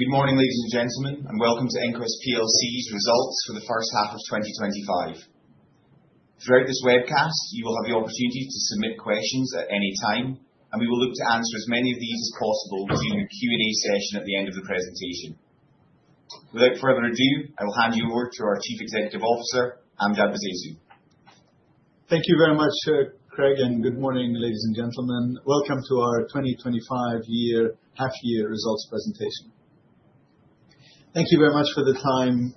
Good morning, ladies and gentlemen, and welcome to EnQuest PLC's results for the first half of 2025. Throughout this webcast, you will have the opportunity to submit questions at any time, and we will look to answer as many of these as possible during a Q&A session at the end of the presentation. Without further ado, I will hand you over to our Chief Executive Officer, Amjad Bseisu. Thank you very much, Craig, and good morning, ladies and gentlemen. Welcome to our 2025 year half-year results presentation. Thank you very much for the time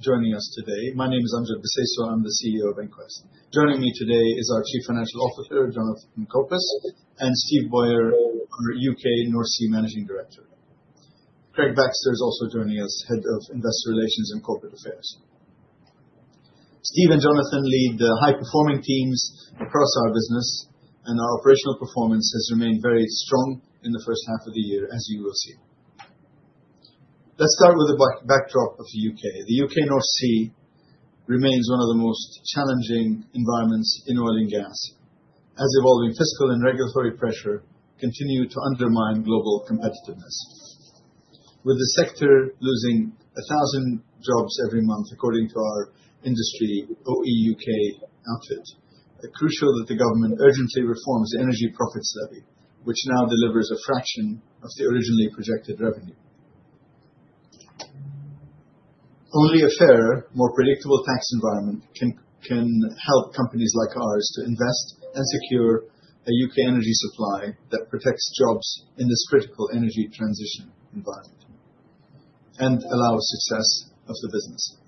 joining us today. My name is Amjad Bseisu. I'm the CEO of EnQuest. Joining me today is our Chief Financial Officer, Jonathan Copus, and Steve Bowyer, our UK North Sea Managing Director. Craig Baxter is also joining us, Head of Investor Relations and Corporate Affairs. Steve and Jonathan lead the high-performing teams across our business, and our operational performance has remained very strong in the first half of the year, as you will see. Let's start with the backdrop of the U.K.. The UK North Sea remains one of the most challenging environments in oil and gas, as evolving fiscal and regulatory pressure continues to undermine global competitiveness. With the sector losing 1,000 jobs every month, according to our industry OEUK outfit, it is crucial that the government urgently reforms the Energy Profits Levy, which now delivers a fraction of the originally projected revenue. Only a fairer, more predictable tax environment can help companies like ours to invest and secure a U.K. energy supply that protects jobs in this critical energy transition environment and allows the success of the business.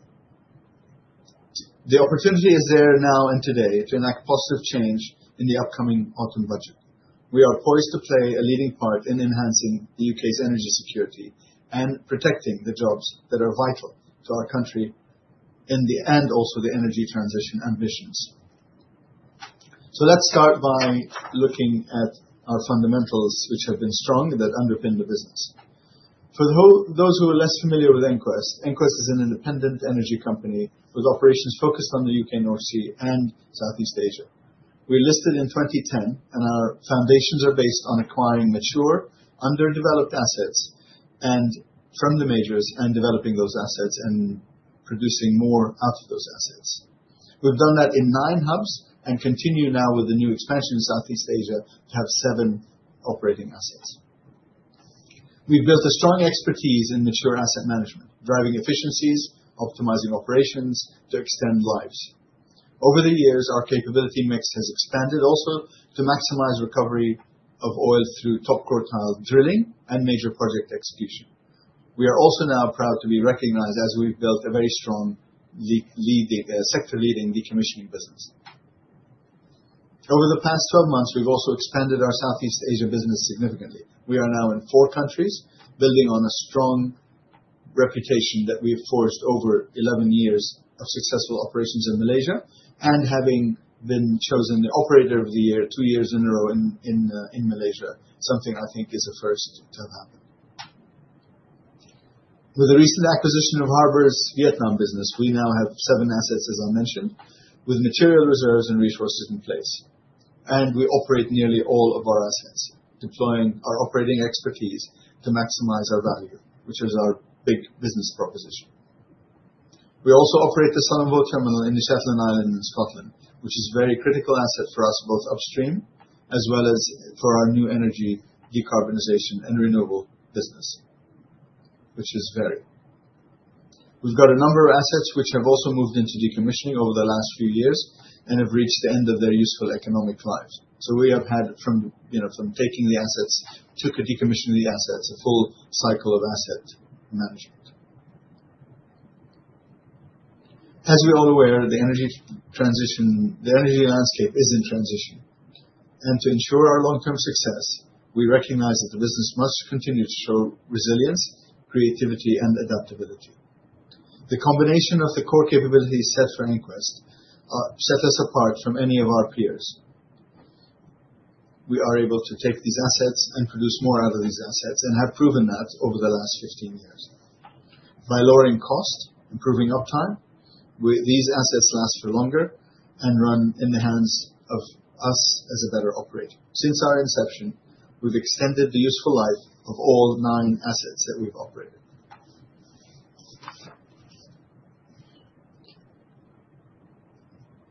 The opportunity is there now and today to enact positive change in the upcoming Autumn Budget. We are poised to play a leading part in enhancing the U.K.'s energy security and protecting the jobs that are vital to our country and also the energy transition ambitions. So let's start by looking at our fundamentals, which have been strong and that underpin the business. For those who are less familiar with EnQuest, EnQuest is an independent energy company with operations focused on the UK North Sea and Southeast Asia. We listed in 2010, and our foundations are based on acquiring mature, underdeveloped assets from the majors and developing those assets and producing more out of those assets. We've done that in nine hubs and continue now with the new expansion in Southeast Asia to have seven operating assets. We've built a strong expertise in mature asset management, driving efficiencies, optimizing operations to extend lives. Over the years, our capability mix has expanded also to maximize recovery of oil through top quartile drilling and major project execution. We are also now proud to be recognized as we've built a very strong sector-leading decommissioning business. Over the past 12 months, we've also expanded our Southeast Asia business significantly. We are now in four countries, building on a strong reputation that we've forged over 11 years of successful operations in Malaysia and having been chosen the Operator of the Year two years in a row in Malaysia, something I think is a first to have happened. With the recent acquisition of Harbour's Vietnam business, we now have seven assets, as I mentioned, with material reserves and resources in place, and we operate nearly all of our assets, deploying our operating expertise to maximize our value, which is our big business proposition. We also operate the Sullom Voe Terminal in the Shetland Islands in Scotland, which is a very critical asset for us, both upstream as well as for our new energy decarbonization and renewable business, which is very. We've got a number of assets which have also moved into decommissioning over the last few years and have reached the end of their useful economic lives. So we have had, from taking the assets, took a decommissioning of the assets, a full cycle of asset management. As we are all aware, the energy transition, the energy landscape is in transition, and to ensure our long-term success, we recognize that the business must continue to show resilience, creativity, and adaptability. The combination of the core capabilities set for EnQuest set us apart from any of our peers. We are able to take these assets and produce more out of these assets and have proven that over the last 15 years. By lowering cost, improving uptime, these assets last for longer and run in the hands of us as a better operator. Since our inception, we've extended the useful life of all nine assets that we've operated.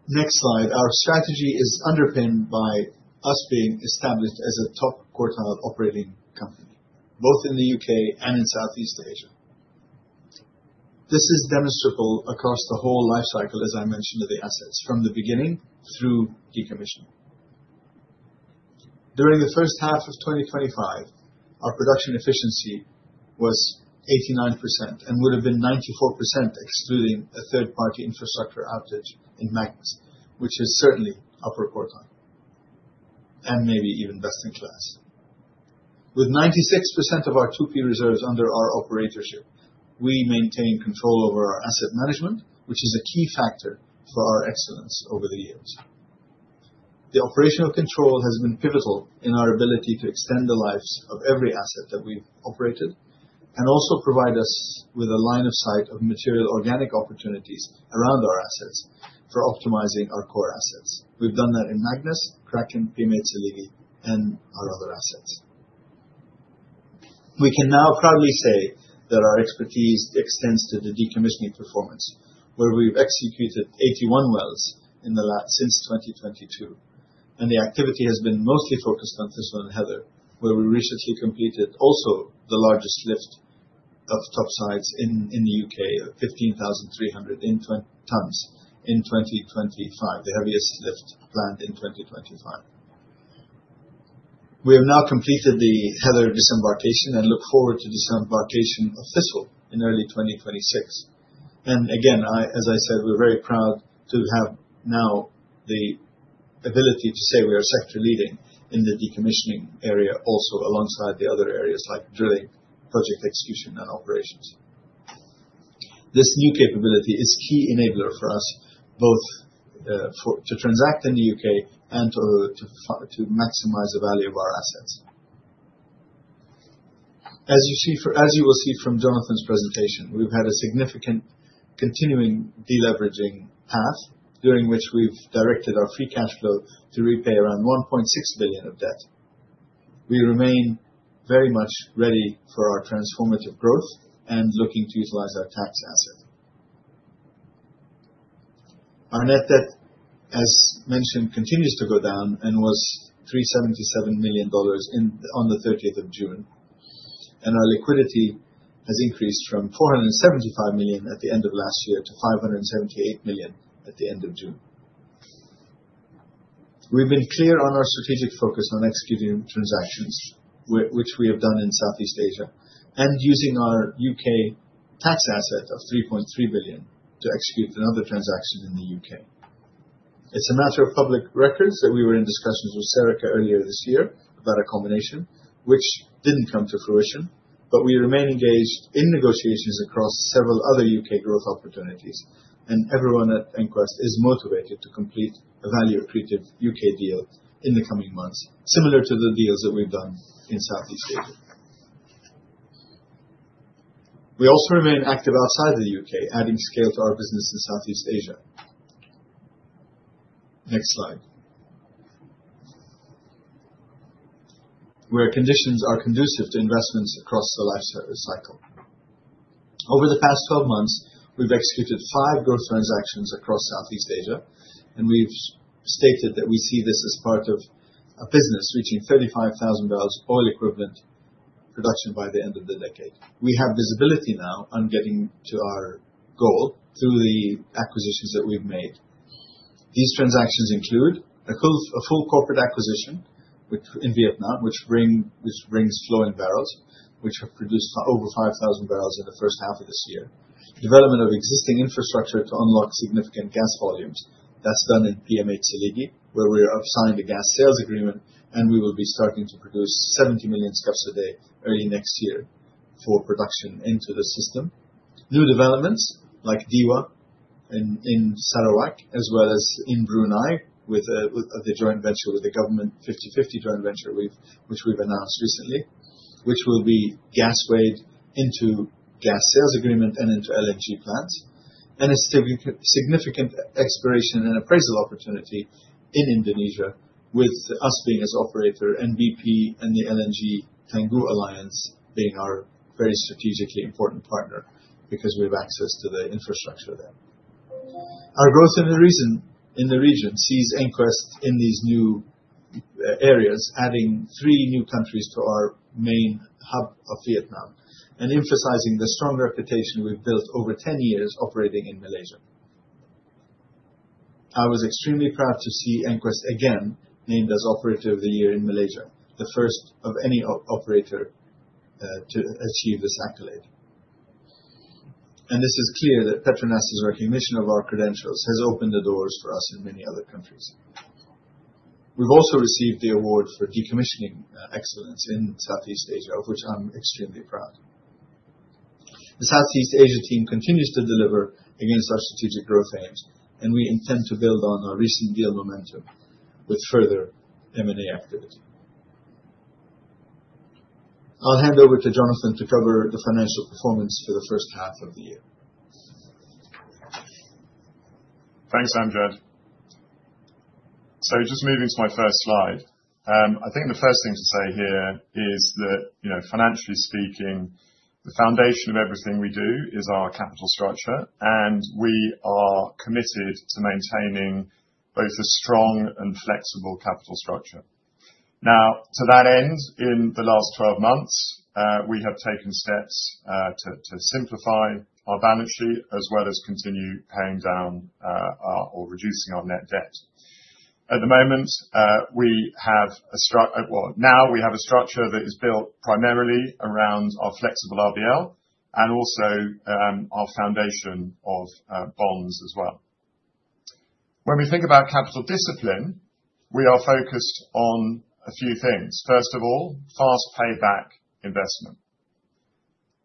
Next slide, our strategy is underpinned by us being established as a top quartile operating company, both in the U.K. and in Southeast Asia. This is demonstrable across the whole life cycle, as I mentioned, of the assets from the beginning through decommissioning. During the first half of 2025, our production efficiency was 89% and would have been 94% excluding a third-party infrastructure outage in Magnus, which is certainly upper quartile and maybe even best in class. With 96% of our 2P reserves under our operatorship, we maintain control over our asset management, which is a key factor for our excellence over the years. The operational control has been pivotal in our ability to extend the lives of every asset that we've operated and also provide us with a line of sight of material organic opportunities around our assets for optimizing our core assets. We've done that in Magnus, Kraken, PM8/Seligi, and our other assets. We can now proudly say that our expertise extends to the decommissioning performance, where we've executed 81 wells since 2022, and the activity has been mostly focused on Thistle and Heather, where we recently completed also the largest lift of topsides in the U.K., 15,300 tons in 2025, the heaviest lift planned in 2025. We have now completed the Heather decommissioning and look forward to decommissioning of Thistle in early 2026. Again, as I said, we're very proud to have now the ability to say we are sector-leading in the decommissioning area, also alongside the other areas like drilling, project execution, and operations. This new capability is a key enabler for us, both to transact in the U.K. and to maximize the value of our assets. As you will see from Jonathan's presentation, we've had a significant continuing deleveraging path during which we've directed our free cash flow to repay around $1.6 billion of debt. We remain very much ready for our transformative growth and looking to utilize our tax asset. Our net debt, as mentioned, continues to go down and was $377 million on the 30th of June 2025, and our liquidity has increased from $475 million at the end of last year to $578 million at the end of June. We've been clear on our strategic focus on executing transactions, which we have done in Southeast Asia, and using our U.K. tax asset of $3.3 billion to execute another transaction in the U.K.. It's a matter of public records that we were in discussions with Serica earlier this year about a combination, which didn't come to fruition, but we remain engaged in negotiations across several other U.K. growth opportunities, and everyone at EnQuest is motivated to complete a value-accretive U.K. deal in the coming months, similar to the deals that we've done in Southeast Asia. We also remain active outside of the U.K., adding scale to our business in Southeast Asia. Next slide. Where conditions are conducive to investments across the life cycle. Over the past 12 months, we've executed five growth transactions across Southeast Asia, and we've stated that we see this as part of a business reaching $35,000 oil-equivalent production by the end of the decade. We have visibility now on getting to our goal through the acquisitions that we've made. These transactions include a full corporate acquisition in Vietnam, which brings flowing barrels, which have produced over 5,000 barrels in the first half of this year. Development of existing infrastructure to unlock significant gas volumes. That's done in PM8/Seligi, where we're signing a gas sales agreement, and we will be starting to produce 70 million scf/d early next year for production into the system. New developments like Dewa in Sarawak, as well as in Brunei, with the joint venture with the government 50/50 joint venture, which we've announced recently, which will be gas weighted into gas sales agreement and into LNG plants. And a significant exploration and appraisal opportunity in Indonesia, with us being the operator and BP and the Tangguh LNG alliance being our very strategically important partner because we have access to the infrastructure there. Our growth in the region sees EnQuest in these new areas, adding three new countries to our main hub of Vietnam and emphasizing the strong reputation we've built over 10 years operating in Malaysia. I was extremely proud to see EnQuest again named as Operator of the Year in Malaysia, the first of any operator to achieve this accolade. This is clear that PETRONAS's recognition of our credentials has opened the doors for us in many other countries. We've also received the award for decommissioning excellence in Southeast Asia, of which I'm extremely proud. The Southeast Asia team continues to deliver against our strategic growth aims, and we intend to build on our recent deal momentum with further M&A activity. I'll hand over to Jonathan to cover the financial performance for the first half of the year. Thanks, Amjad. Just moving to my first slide, I think the first thing to say here is that, financially speaking, the foundation of everything we do is our capital structure, and we are committed to maintaining both a strong and flexible capital structure. Now, to that end, in the last 12 months, we have taken steps to simplify our balance sheet as well as continue paying down or reducing our net debt. At the moment, we have a structure that is built primarily around our flexible RBL and also our foundation of bonds as well. When we think about capital discipline, we are focused on a few things. First of all, fast payback investment.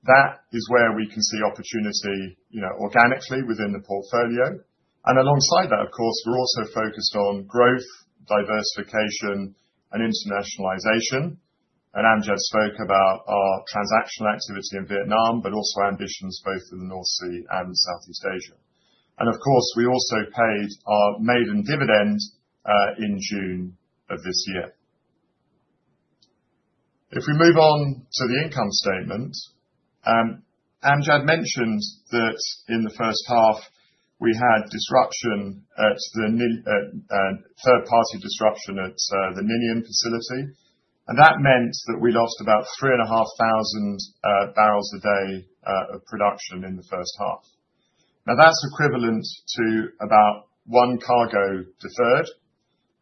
That is where we can see opportunity organically within the portfolio. Alongside that, of course, we're also focused on growth, diversification, and internationalization. Amjad spoke about our transactional activity in Vietnam, but also ambitions both in the North Sea and Southeast Asia. Of course, we also paid our maiden dividend in June of this year. If we move on to the income statement, Amjad mentioned that in the first half, we had disruption at the third-party disruption at the Ninian facility. That meant that we lost about 3,500 barrels a day of production in the first half. Now, that's equivalent to about one cargo deferred,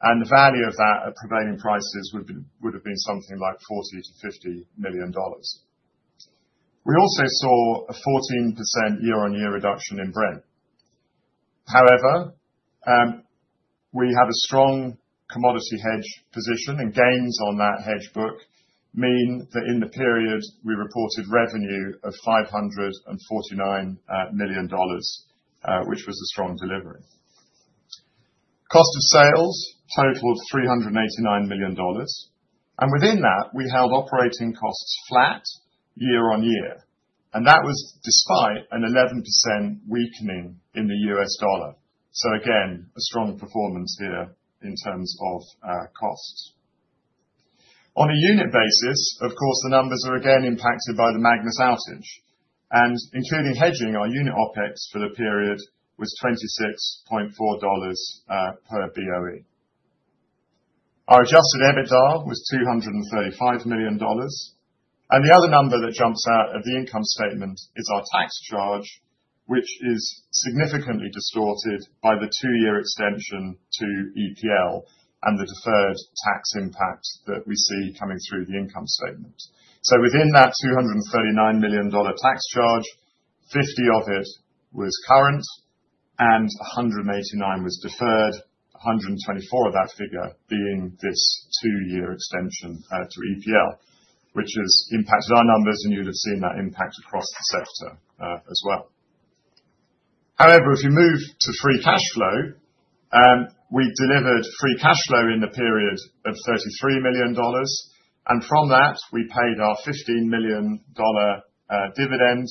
and the value of that at prevailing prices would have been something like $40-$50 million. We also saw a 14% year-on-year reduction in Brent. However, we have a strong commodity hedge position, and gains on that hedge book mean that in the period, we reported revenue of $549 million, which was a strong delivery. Cost of sales totaled $389 million. And within that, we held operating costs flat year-on-year, and that was despite an 11% weakening in the U.S. dollar. So again, a strong performance here in terms of costs. On a unit basis, of course, the numbers are again impacted by the Magnus outage, and including hedging, our unit OPEX for the period was $26.4 per BOE. Our Adjusted EBITDA was $235 million. And the other number that jumps out of the income statement is our tax charge, which is significantly distorted by the two-year extension to EPL and the deferred tax impact that we see coming through the income statement. So within that $239 million tax charge, 50 of it was current and 189 was deferred, 124 of that figure being this two-year extension to EPL, which has impacted our numbers, and you'd have seen that impact across the sector as well. However, if you move to free cash flow, we delivered free cash flow in the period of $33 million, and from that, we paid our $15 million dividend,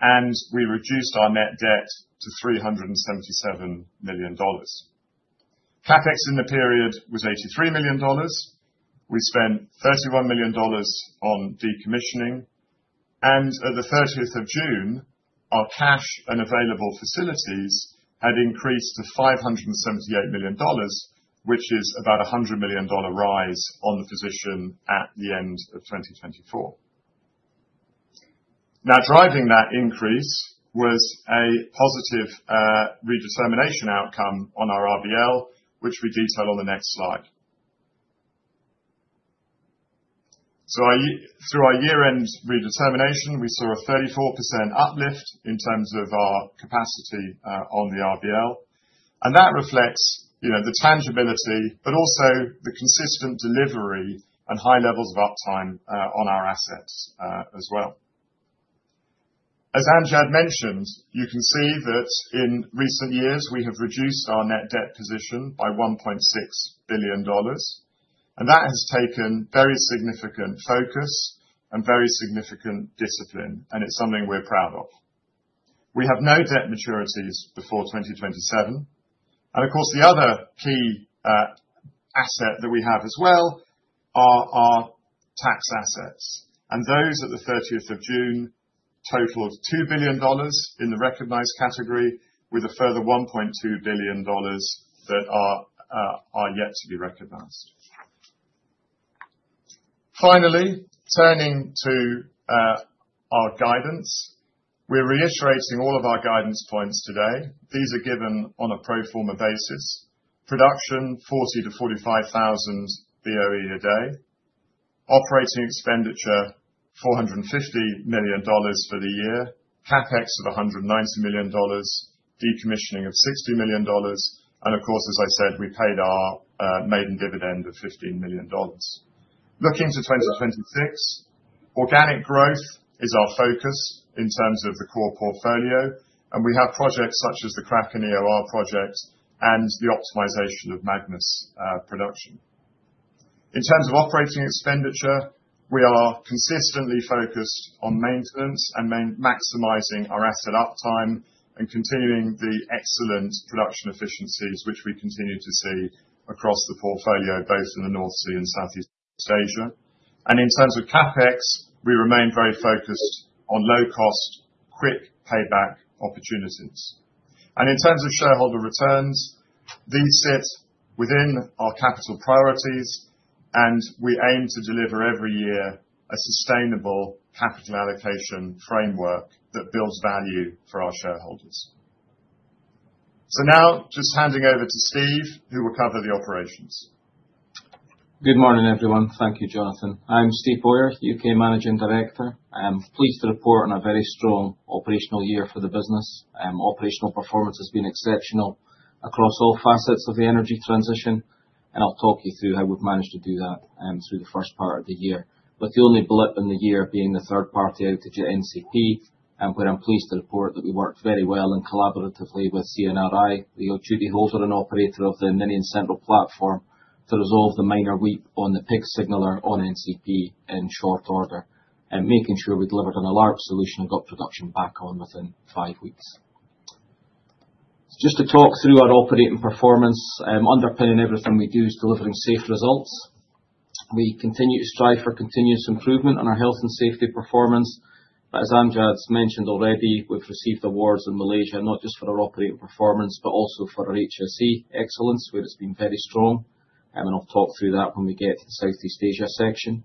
and we reduced our net debt to $377 million. CapEx in the period was $83 million. We spent $31 million on decommissioning, and at the 30th of June, our cash and available facilities had increased to $578 million, which is about a $100 million rise on the position at the end of 2024. Now, driving that increase was a positive redetermination outcome on our RBL, which we detail on the next slide, so through our year-end redetermination, we saw a 34% uplift in terms of our capacity on the RBL, and that reflects the tangibility, but also the consistent delivery and high levels of uptime on our assets as well. As Amjad mentioned, you can see that in recent years, we have reduced our net debt position by $1.6 billion, and that has taken very significant focus and very significant discipline, and it's something we're proud of. We have no debt maturities before 2027, and of course, the other key asset that we have as well are our tax assets, and those at the 30th of June totaled $2 billion in the recognized category, with a further $1.2 billion that are yet to be recognized. Finally, turning to our guidance, we're reiterating all of our guidance points today. These are given on a pro forma basis. Production, 40-45,000 BOE a day. Operating expenditure, $450 million for the year. CapEx of $190 million. Decommissioning of $60 million, and of course, as I said, we paid our maiden dividend of $15 million. Looking to 2026, organic growth is our focus in terms of the core portfolio, and we have projects such as the Kraken, EOR project, and the optimization of Magnus production. In terms of operating expenditure, we are consistently focused on maintenance and maximizing our asset uptime and continuing the excellent production efficiencies, which we continue to see across the portfolio, both in the North Sea and Southeast Asia. And in terms of CapEx, we remain very focused on low-cost, quick payback opportunities. And in terms of shareholder returns, these sit within our capital priorities, and we aim to deliver every year a sustainable capital allocation framework that builds value for our shareholders. So now, just handing over to Steve, who will cover the operations. Good morning, everyone. Thank you, Jonathan. I'm Steve Bowyer, UK Managing Director. I am pleased to report on a very strong operational year for the business. Operational performance has been exceptional across all facets of the energy transition, and I'll talk you through how we've managed to do that through the first part of the year, with the only blip in the year being the third-party outage at NCP, where I'm pleased to report that we worked very well and collaboratively with CNRI, the duty holder and operator of the Ninian Central Platform, to resolve the minor weep on the pig signaler on NCP in short order, making sure we delivered an alarm solution and got production back on within five weeks. Just to talk through our operating performance, underpinning everything we do is delivering safe results. We continue to strive for continuous improvement on our health and safety performance. But as Amjad's mentioned already, we've received awards in Malaysia, not just for our operating performance, but also for our HSE excellence, where it's been very strong. And I'll talk through that when we get to the Southeast Asia section.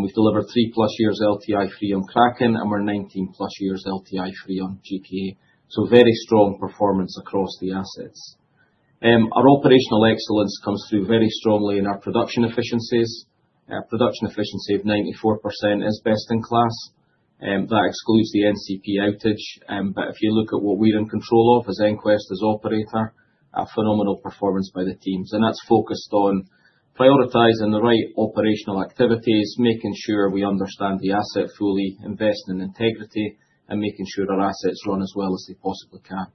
We've delivered three-plus years LTI-free on Kraken, and we're 19-plus years LTI-free on GKA. So very strong performance across the assets. Our operational excellence comes through very strongly in our production efficiencies. Production efficiency of 94% is best in class. That excludes the NCP outage, but if you look at what we're in control of as EnQuest as operator, a phenomenal performance by the teams. And that's focused on prioritizing the right operational activities, making sure we understand the asset fully, investing in integrity, and making sure our assets run as well as they possibly can.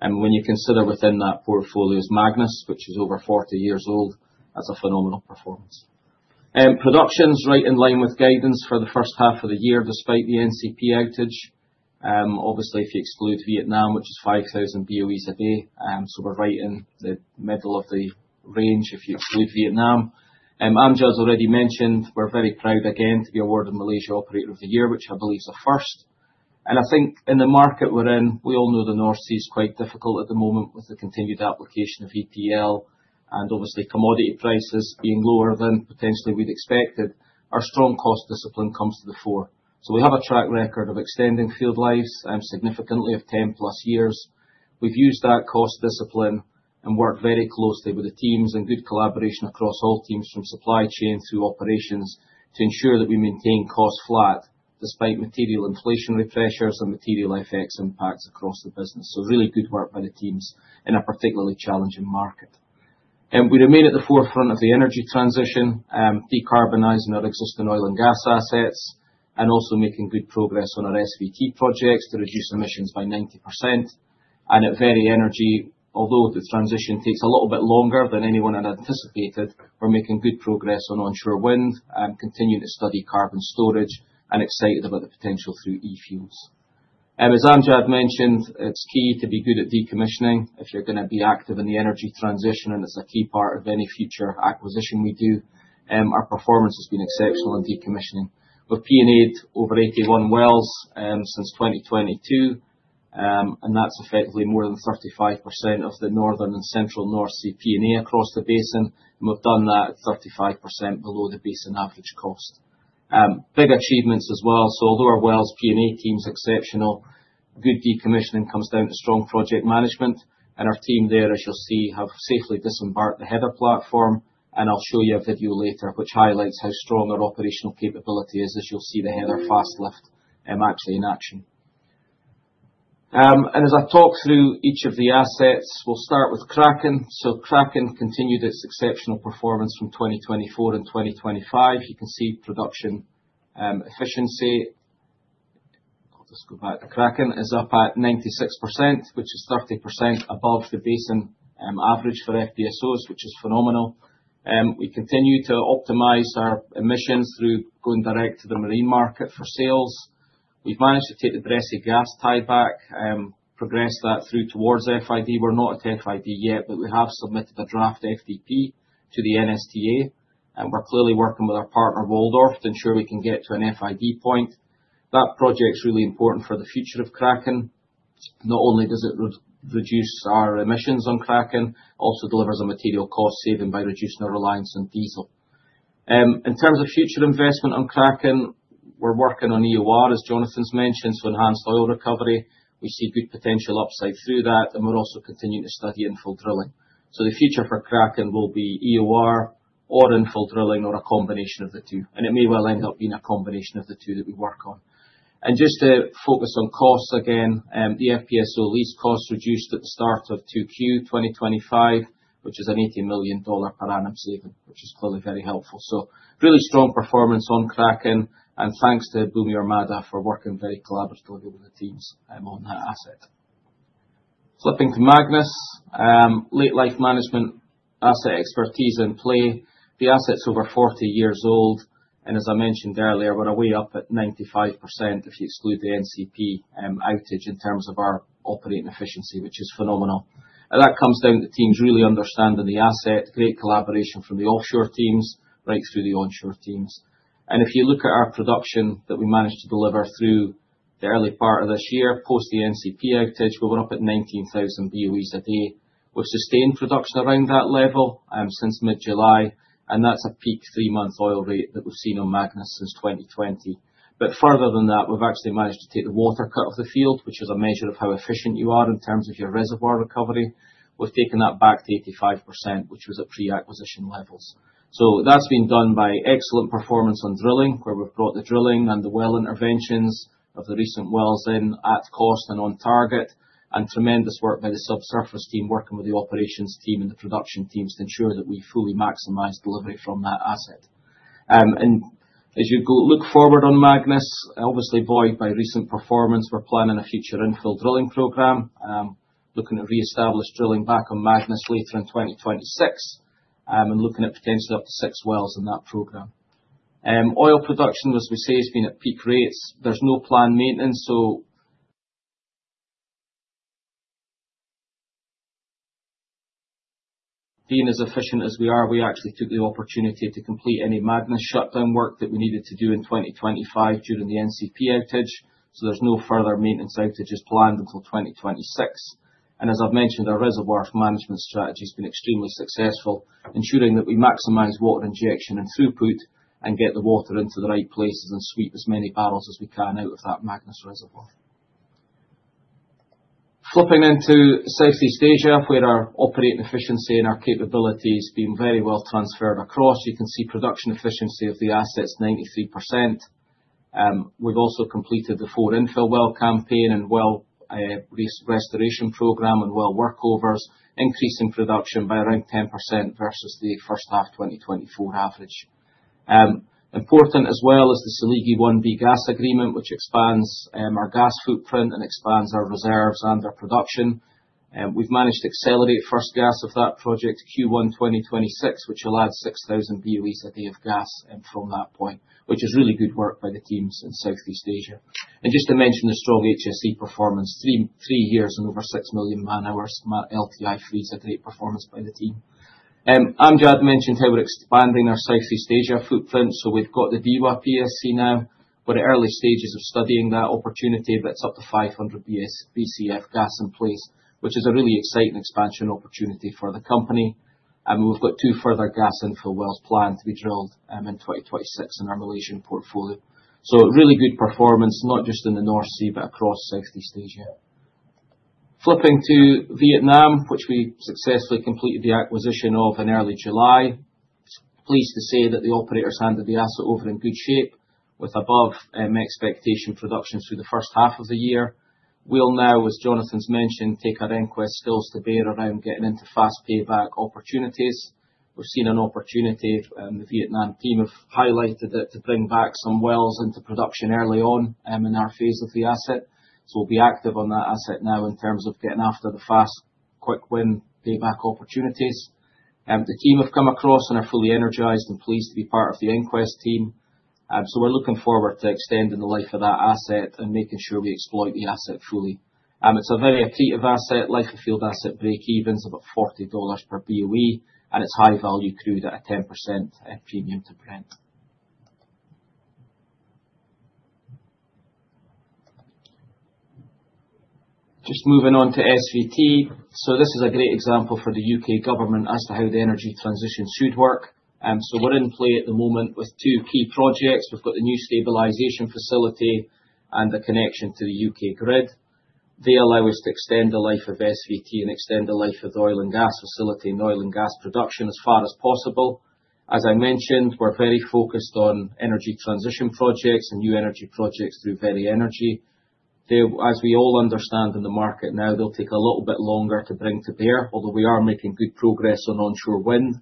And when you consider within that portfolio is Magnus, which is over 40 years old, that's a phenomenal performance. Production's right in line with guidance for the first half of the year, despite the NCP outage. Obviously, if you exclude Vietnam, which is 5,000 BOEs a day, so we're right in the middle of the range if you exclude Vietnam. Amjad's already mentioned, we're very proud again to be awarded Malaysia Operator of the Year, which I believe is a first. And I think in the market we're in, we all know the North Sea is quite difficult at the moment with the continued application of EPL and obviously commodity prices being lower than potentially we'd expected. Our strong cost discipline comes to the fore. So we have a track record of extending field lives significantly of 10-plus years. We've used that cost discipline and worked very closely with the teams and good collaboration across all teams from supply chain through operations to ensure that we maintain costs flat despite material inflationary pressures and material FX impacts across the business, so really good work by the teams in a particularly challenging market. We remain at the forefront of the energy transition, decarbonizing our existing oil and gas assets and also making good progress on our SVT projects to reduce emissions by 90%, and at Veri Energy, although the transition takes a little bit longer than anyone had anticipated, we're making good progress on onshore wind and continuing to study carbon storage and excited about the potential through e-fuels. As Amjad mentioned, it's key to be good at decommissioning if you're going to be active in the energy transition, and it's a key part of any future acquisition we do. Our performance has been exceptional in decommissioning. We've P&A'd over 81 wells since 2022, and that's effectively more than 35% of the northern and central North Sea P&A across the basin, and we've done that at 35% below the basin average cost. Big achievements as well, so although our wells P&A team's exceptional, good decommissioning comes down to strong project management, and our team there, as you'll see, have safely disembarked the Heather platform, and I'll show you a video later which highlights how strong our operational capability is, as you'll see the Heather fast lift actually in action, and as I talk through each of the assets, we'll start with Kraken, so Kraken continued its exceptional performance from 2024 and 2025. You can see production efficiency. I'll just go back to Kraken. It's up at 96%, which is 30% above the basin average for FPSOs, which is phenomenal. We continue to optimize our emissions through going direct to the marine market for sales. We've managed to take the Bressay gas tieback, progress that through towards FID. We're not at FID yet, but we have submitted a draft FDP to the NSTA, and we're clearly working with our partner Waldorf to ensure we can get to an FID point. That project's really important for the future of Kraken. Not only does it reduce our emissions on Kraken, it also delivers a material cost saving by reducing our reliance on diesel. In terms of future investment on Kraken, we're working on EOR, as Jonathan's mentioned, so enhanced oil recovery. We see good potential upside through that, and we're also continuing to study infill drilling, so the future for Kraken will be EOR or infill drilling or a combination of the two. And it may well end up being a combination of the two that we work on. And just to focus on costs again, the FPSO lease costs reduced at the start of 2Q 2025, which is an $80 million per annum saving, which is clearly very helpful. So really strong performance on Kraken, and thanks to Bumi Armada for working very collaboratively with the teams on that asset. Flipping to Magnus, late-life management asset expertise in play. The asset's over 40 years old. And as I mentioned earlier, we're a way up at 95% if you exclude the NCP outage in terms of our operating efficiency, which is phenomenal. And that comes down to teams really understanding the asset, great collaboration from the offshore teams right through the onshore teams. And if you look at our production that we managed to deliver through the early part of this year, post the NCP outage, we went up at 19,000 BOEs a day. We've sustained production around that level since mid-July, and that's a peak three-month oil rate that we've seen on Magnus since 2020. But further than that, we've actually managed to take the water cut off the field, which is a measure of how efficient you are in terms of your reservoir recovery. We've taken that back to 85%, which was at pre-acquisition levels. So that's been done by excellent performance on drilling, where we've brought the drilling and the well interventions of the recent wells in at cost and on target, and tremendous work by the subsurface team working with the operations team and the production teams to ensure that we fully maximize delivery from that asset. And as you look forward on Magnus, obviously buoyed by recent performance, we're planning a future infill drilling program, looking at re-established drilling back on Magnus later in 2026, and looking at potentially up to six wells in that program. Oil production, as we say, has been at peak rates. There's no planned maintenance, so being as efficient as we are, we actually took the opportunity to complete any Magnus shutdown work that we needed to do in 2025 during the NCP outage. So there's no further maintenance outages planned until 2026. And as I've mentioned, our reservoir management strategy has been extremely successful, ensuring that we maximize water injection and throughput and get the water into the right places and sweep as many barrels as we can out of that Magnus reservoir. Flipping into Southeast Asia, where our operating efficiency and our capability has been very well transferred across, you can see production efficiency of the asset's 93%. We've also completed the four infill well campaign and well restoration program and well workovers, increasing production by around 10% versus the first half 2024 average. Important as well is the Seligi 1B gas agreement, which expands our gas footprint and expands our reserves and our production. We've managed to accelerate first gas of that project Q1 2026, which allowed 6,000 BOEs a day of gas from that point, which is really good work by the teams in Southeast Asia, and just to mention the strong HSE performance, three years and over six million man-hours LTI-free is a great performance by the team. Amjad mentioned how we're expanding our Southeast Asia footprint, so we've got the Dewa PSC now. We're at early stages of studying that opportunity, but it's up to 500 BCF gas in place, which is a really exciting expansion opportunity for the company, and we've got two further gas infill wells planned to be drilled in 2026 in our Malaysian portfolio, so really good performance, not just in the North Sea, but across Southeast Asia. Flipping to Vietnam, which we successfully completed the acquisition of in early July. Pleased to say that the operators handed the asset over in good shape with above expectation production through the first half of the year. We'll now, as Jonathan's mentioned, take our EnQuest skills to bear around getting into fast payback opportunities. We've seen an opportunity. The Vietnam team have highlighted it to bring back some wells into production early on in our phase of the asset. We'll be active on that asset now in terms of getting after the fast, quick win payback opportunities. The team have come across and are fully energized and pleased to be part of the EnQuest team. We're looking forward to extending the life of that asset and making sure we exploit the asset fully. It's a very accretive asset, life of field asset breakevens of about $40 per BOE, and it's high-value crude at a 10% premium to Brent. Just moving on to SVT. This is a great example for the U.K. government as to how the energy transition should work. We're in play at the moment with two key projects. We've got the new stabilization facility and the connection to the U.K. grid. They allow us to extend the life of SVT and extend the life of the oil and gas facility and oil and gas production as far as possible. As I mentioned, we're very focused on energy transition projects and new energy projects through Veri Energy. As we all understand in the market now, they'll take a little bit longer to bring to bear, although we are making good progress on onshore wind.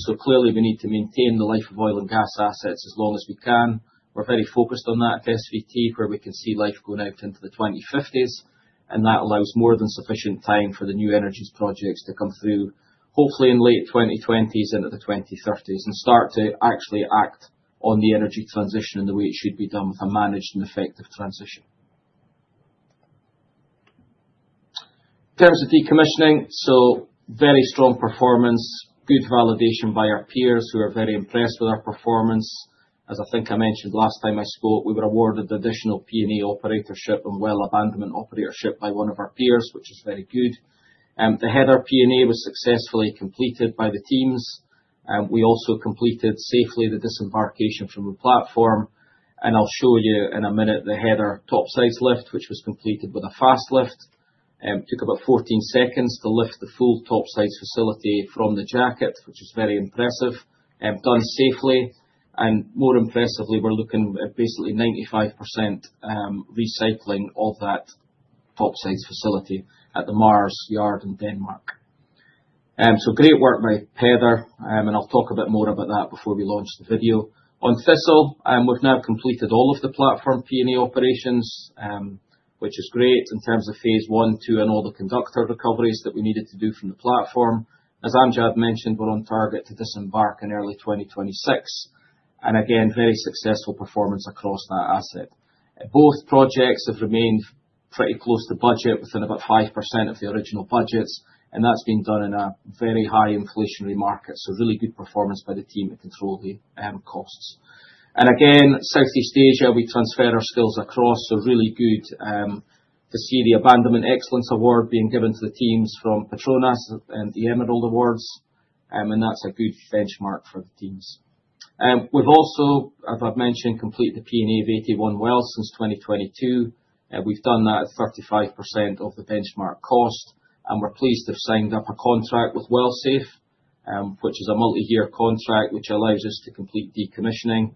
So clearly, we need to maintain the life of oil and gas assets as long as we can. We're very focused on that at SVT, where we can see life going out into the 2050s. And that allows more than sufficient time for the new energies projects to come through, hopefully in late 2020s and at the 2030s and start to actually act on the energy transition in the way it should be done with a managed and effective transition. In terms of decommissioning, so very strong performance, good validation by our peers who are very impressed with our performance. As I think I mentioned last time I spoke, we were awarded the additional P&A operatorship and well abandonment operatorship by one of our peers, which is very good. The Heather P&A was successfully completed by the teams. We also completed safely the disembarkation from the platform. And I'll show you in a minute the Heather topside lift, which was completed with a fast lift. Took about 14 seconds to lift the full top side facility from the jacket, which is very impressive and done safely. And more impressively, we're looking at basically 95% recycling of that top side facility at the MARS yard in Denmark. So great work by Heather. And I'll talk a bit more about that before we launch the video. On Thistle, we've now completed all of the platform P&A operations, which is great in terms of phase one, two, and all the conductor recoveries that we needed to do from the platform. As Amjad mentioned, we're on target to disembark in early 2026. And again, very successful performance across that asset. Both projects have remained pretty close to budget within about 5% of the original budgets. And that's been done in a very high inflationary market. So really good performance by the team to control the costs. Again, Southeast Asia, we transfer our skills across. So really good to see the Abandonment Excellence Award being given to the teams from PETRONAS and the Emerald Awards. And that's a good benchmark for the teams. We've also, as I've mentioned, completed the P&A of 81 wells since 2022. We've done that at 35% of the benchmark cost. And we're pleased to have signed up a contract with Well-Safe, which is a multi-year contract, which allows us to complete decommissioning.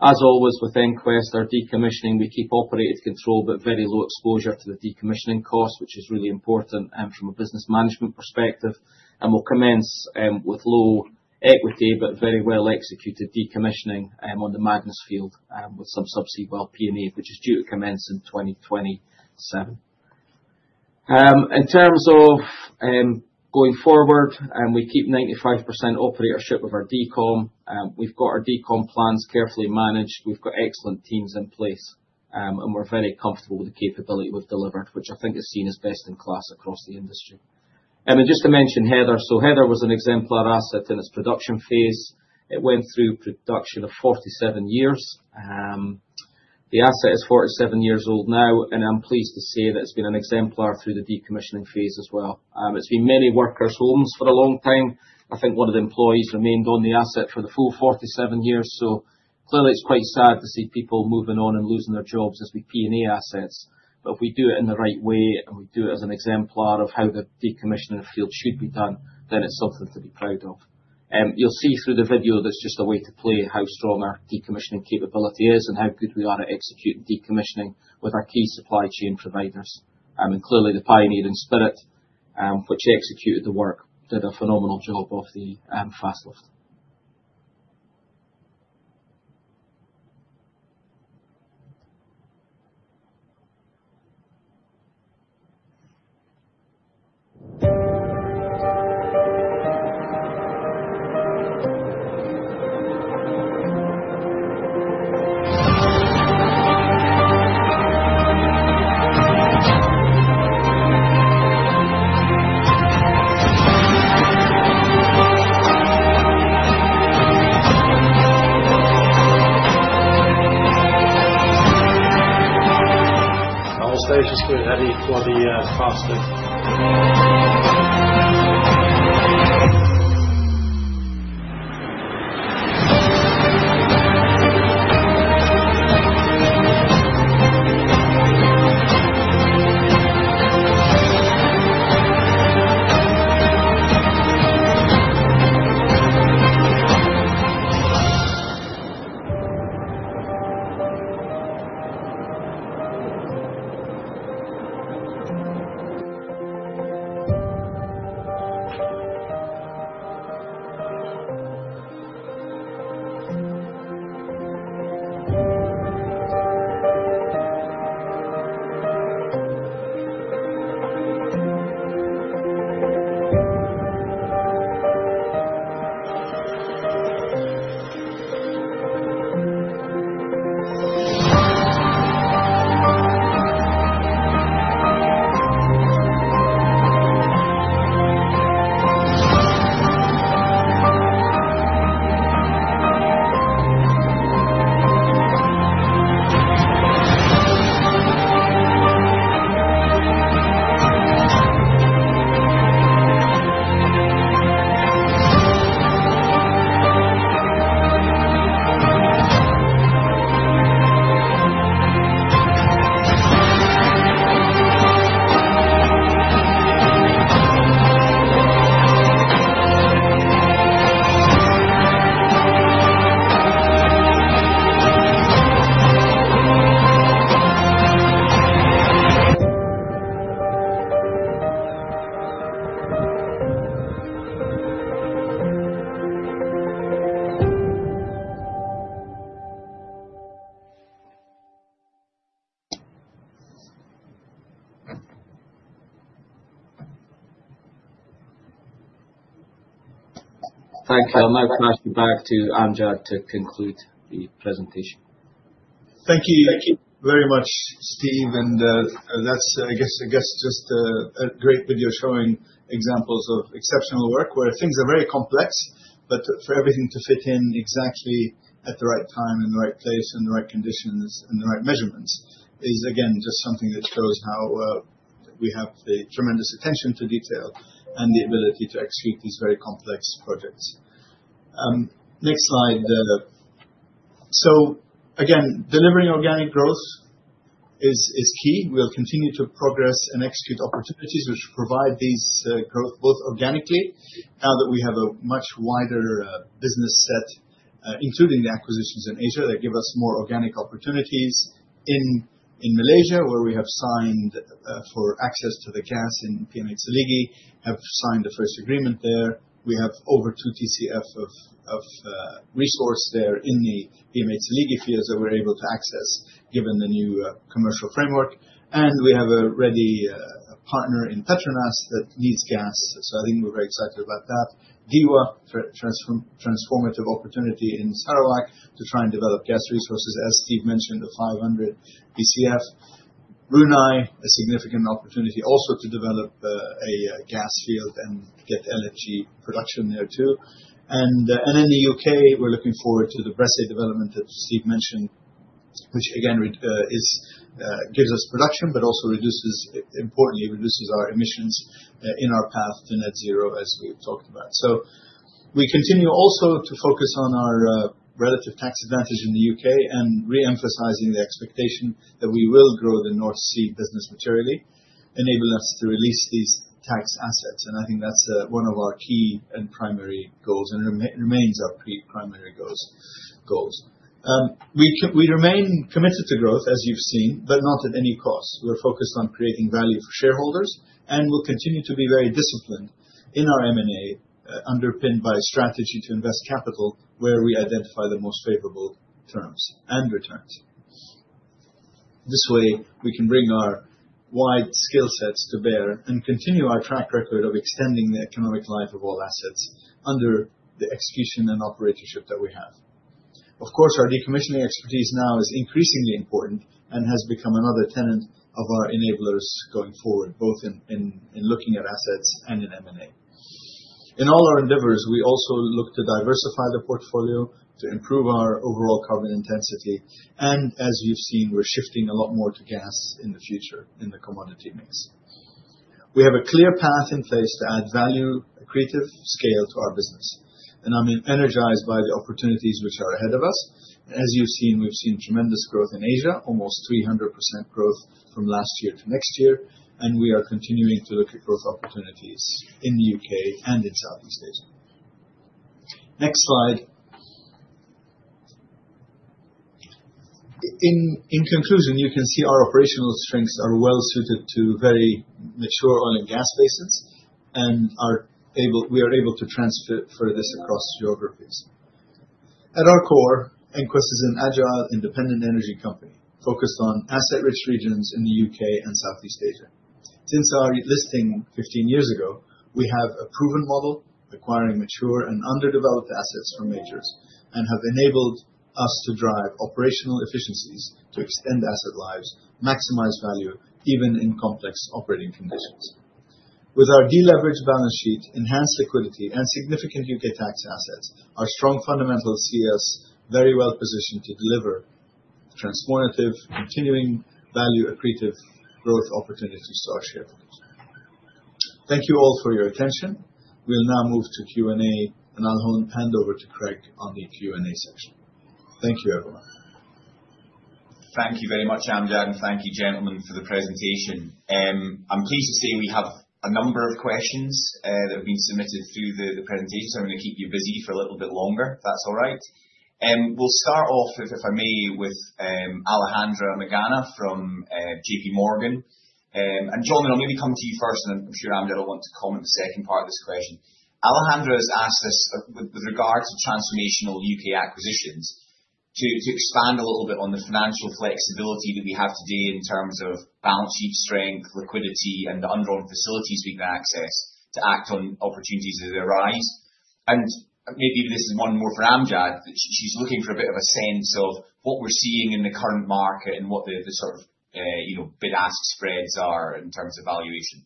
As always with EnQuest, our decommissioning, we keep operator control, but very low exposure to the decommissioning cost, which is really important from a business management perspective. And we'll commence with low equity, but very well executed decommissioning on the Magnus field with some subsea well P&A, which is due to commence in 2027. In terms of going forward, we keep 95% operatorship of our DCOM. We've got our DCOM plans carefully managed. We've got excellent teams in place. And we're very comfortable with the capability we've delivered, which I think is seen as best in class across the industry. And just to mention Heather. So Heather was an exemplar asset in its production phase. It went through production of 47 years. The asset is 47 years old now. And I'm pleased to say that it's been an exemplar through the decommissioning phase as well. It's been many workers' homes for a long time. I think one of the employees remained on the asset for the full 47 years. So clearly, it's quite sad to see people moving on and losing their jobs as we P&A assets. But if we do it in the right way and we do it as an exemplar of how the decommissioning of fields should be done, then it's something to be proud of. You'll see through the video, that's just a way to portray how strong our decommissioning capability is and how good we are at executing decommissioning with our key supply chain providers. And clearly, the Pioneering Spirit, which executed the work, did a phenomenal job of the fast lift. I'll save us the heavy for the fast lift. Thank you. I'll now pass you back to Amjad to conclude the presentation. Thank you very much, Steve. That's, I guess, just a great video showing examples of exceptional work where things are very complex, but for everything to fit in exactly at the right time and the right place and the right conditions and the right measurements is, again, just something that shows how we have the tremendous attention to detail and the ability to execute these very complex projects. Next slide. Again, delivering organic growth is key. We'll continue to progress and execute opportunities which provide this growth both organically. Now that we have a much wider business set, including the acquisitions in Asia, that give us more organic opportunities in Malaysia, where we have signed for access to the gas in PM8/Seligi, the first agreement there. We have over 2 TCF of resource there in the PM8/Seligi fields that we're able to access given the new commercial framework. And we have a ready partner in PETRONAS that needs gas. So I think we're very excited about that. Dewa, transformative opportunity in Sarawak to try and develop gas resources, as Steve mentioned, the 500 BCF. Brunei, a significant opportunity also to develop a gas field and get LNG production there too. And in the U.K., we're looking forward to the Bressay development that Steve mentioned, which again gives us production, but also importantly reduces our emissions in our path to net-zero, as we've talked about. So we continue also to focus on our relative tax advantage in the U.K. and re-emphasizing the expectation that we will grow the North Sea business materially, enabling us to release these tax assets. And I think that's one of our key and primary goals and remains our primary goals. We remain committed to growth, as you've seen, but not at any cost. We're focused on creating value for shareholders, and we'll continue to be very disciplined in our M&A, underpinned by strategy to invest capital where we identify the most favorable terms and returns. This way, we can bring our wide skill sets to bear and continue our track record of extending the economic life of all assets under the execution and operatorship that we have. Of course, our decommissioning expertise now is increasingly important and has become another tenet of our enablers going forward, both in looking at assets and in M&A. In all our endeavors, we also look to diversify the portfolio to improve our overall carbon intensity, and as you've seen, we're shifting a lot more to gas in the future in the commodity mix. We have a clear path in place to add value, accretive scale to our business. I'm energized by the opportunities which are ahead of us. As you've seen, we've seen tremendous growth in Asia, almost 300% growth from last year to next year. We are continuing to look at growth opportunities in the U.K. and in Southeast Asia. Next slide. In conclusion, you can see our operational strengths are well suited to very mature oil and gas basins and we are able to transfer this across geographies. At our core, EnQuest is an agile, independent energy company focused on asset-rich regions in the U.K. and Southeast Asia. Since our listing 15 years ago, we have a proven model acquiring mature and underdeveloped assets from majors and have enabled us to drive operational efficiencies to extend asset lives, maximize value even in complex operating conditions. With our deleveraged balance sheet, enhanced liquidity, and significant U.K. tax assets, our strong fundamentals see us very well positioned to deliver transformative, continuing value, accretive growth opportunities to our shareholders. Thank you all for your attention. We'll now move to Q&A, and I'll hand over to Craig on the Q&A section. Thank you, everyone. Thank you very much, Amjad, and thank you, gentlemen, for the presentation. I'm pleased to say we have a number of questions that have been submitted through the presentation. So I'm going to keep you busy for a little bit longer, if that's all right. We'll start off, if I may, with Alejandra Magana from J.P. Morgan. And, Jonathan, I'll maybe come to you first, and I'm sure Amjad will want to comment on the second part of this question. Alejandra has asked us, with regard to transformational U.K. acquisitions, to expand a little bit on the financial flexibility that we have today in terms of balance sheet strength, liquidity, and the underwriting facilities we can access to act on opportunities as they arise, and maybe this is one more for Amjad. She's looking for a bit of a sense of what we're seeing in the current market and what the sort of bid-ask spreads are in terms of valuation.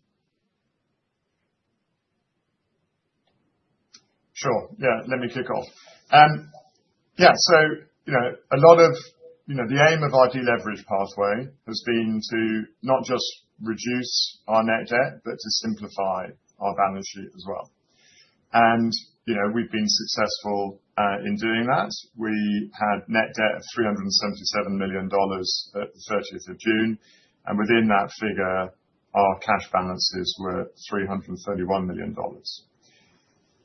Sure. Yeah, let me kick off. Yeah, so a lot of the aim of our deleveraged pathway has been to not just reduce our net debt, but to simplify our balance sheet as well, and we've been successful in doing that. We had net debt of $377 million at the 30th of June 2025. And within that figure, our cash balances were $331 million.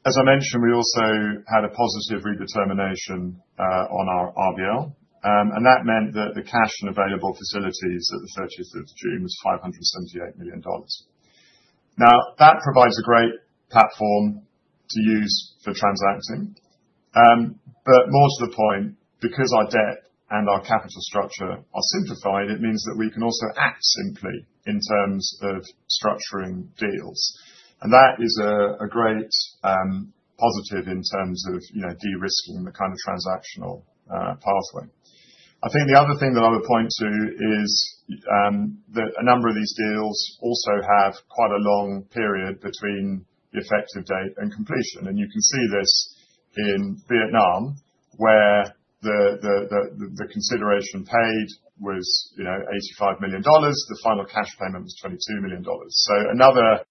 As I mentioned, we also had a positive redetermination on our RBL, and that meant that the cash and available facilities at the 30th of June 2025 was $578 million. Now, that provides a great platform to use for transacting, but more to the point, because our debt and our capital structure are simplified, it means that we can also act simply in terms of structuring deals, and that is a great positive in terms of de-risking the kind of transactional pathway. I think the other thing that I would point to is that a number of these deals also have quite a long period between the effective date and completion, and you can see this in Vietnam, where the consideration paid was $85 million. The final cash payment was $22 million, so another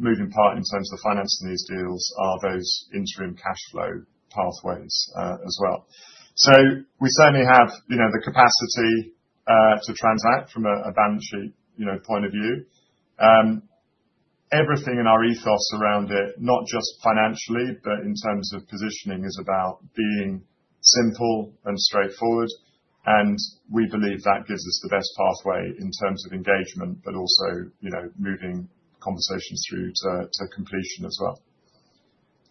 moving part in terms of financing these deals are those interim cash flow pathways as well. We certainly have the capacity to transact from a balance sheet point of view. Everything in our ethos around it, not just financially, but in terms of positioning, is about being simple and straightforward. We believe that gives us the best pathway in terms of engagement, but also moving conversations through to completion as well.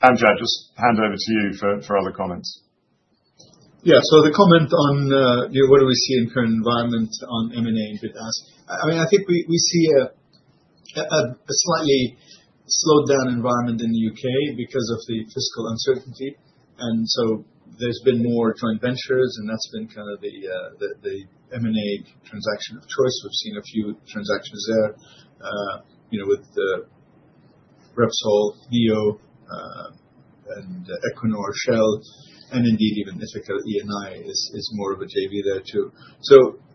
Amjad, just hand over to you for other comments. Yeah, so the comment on what do we see in the current environment on M&A and bid-ask? I mean, I think we see a slightly slowed down environment in the U.K. because of the fiscal uncertainty. There's been more joint ventures, and that's been kind of the M&A transaction of choice. We've seen a few transactions there with Repsol, NEO, and Equinor, Shell, and indeed, even Ithaca. Eni is more of a JV there too.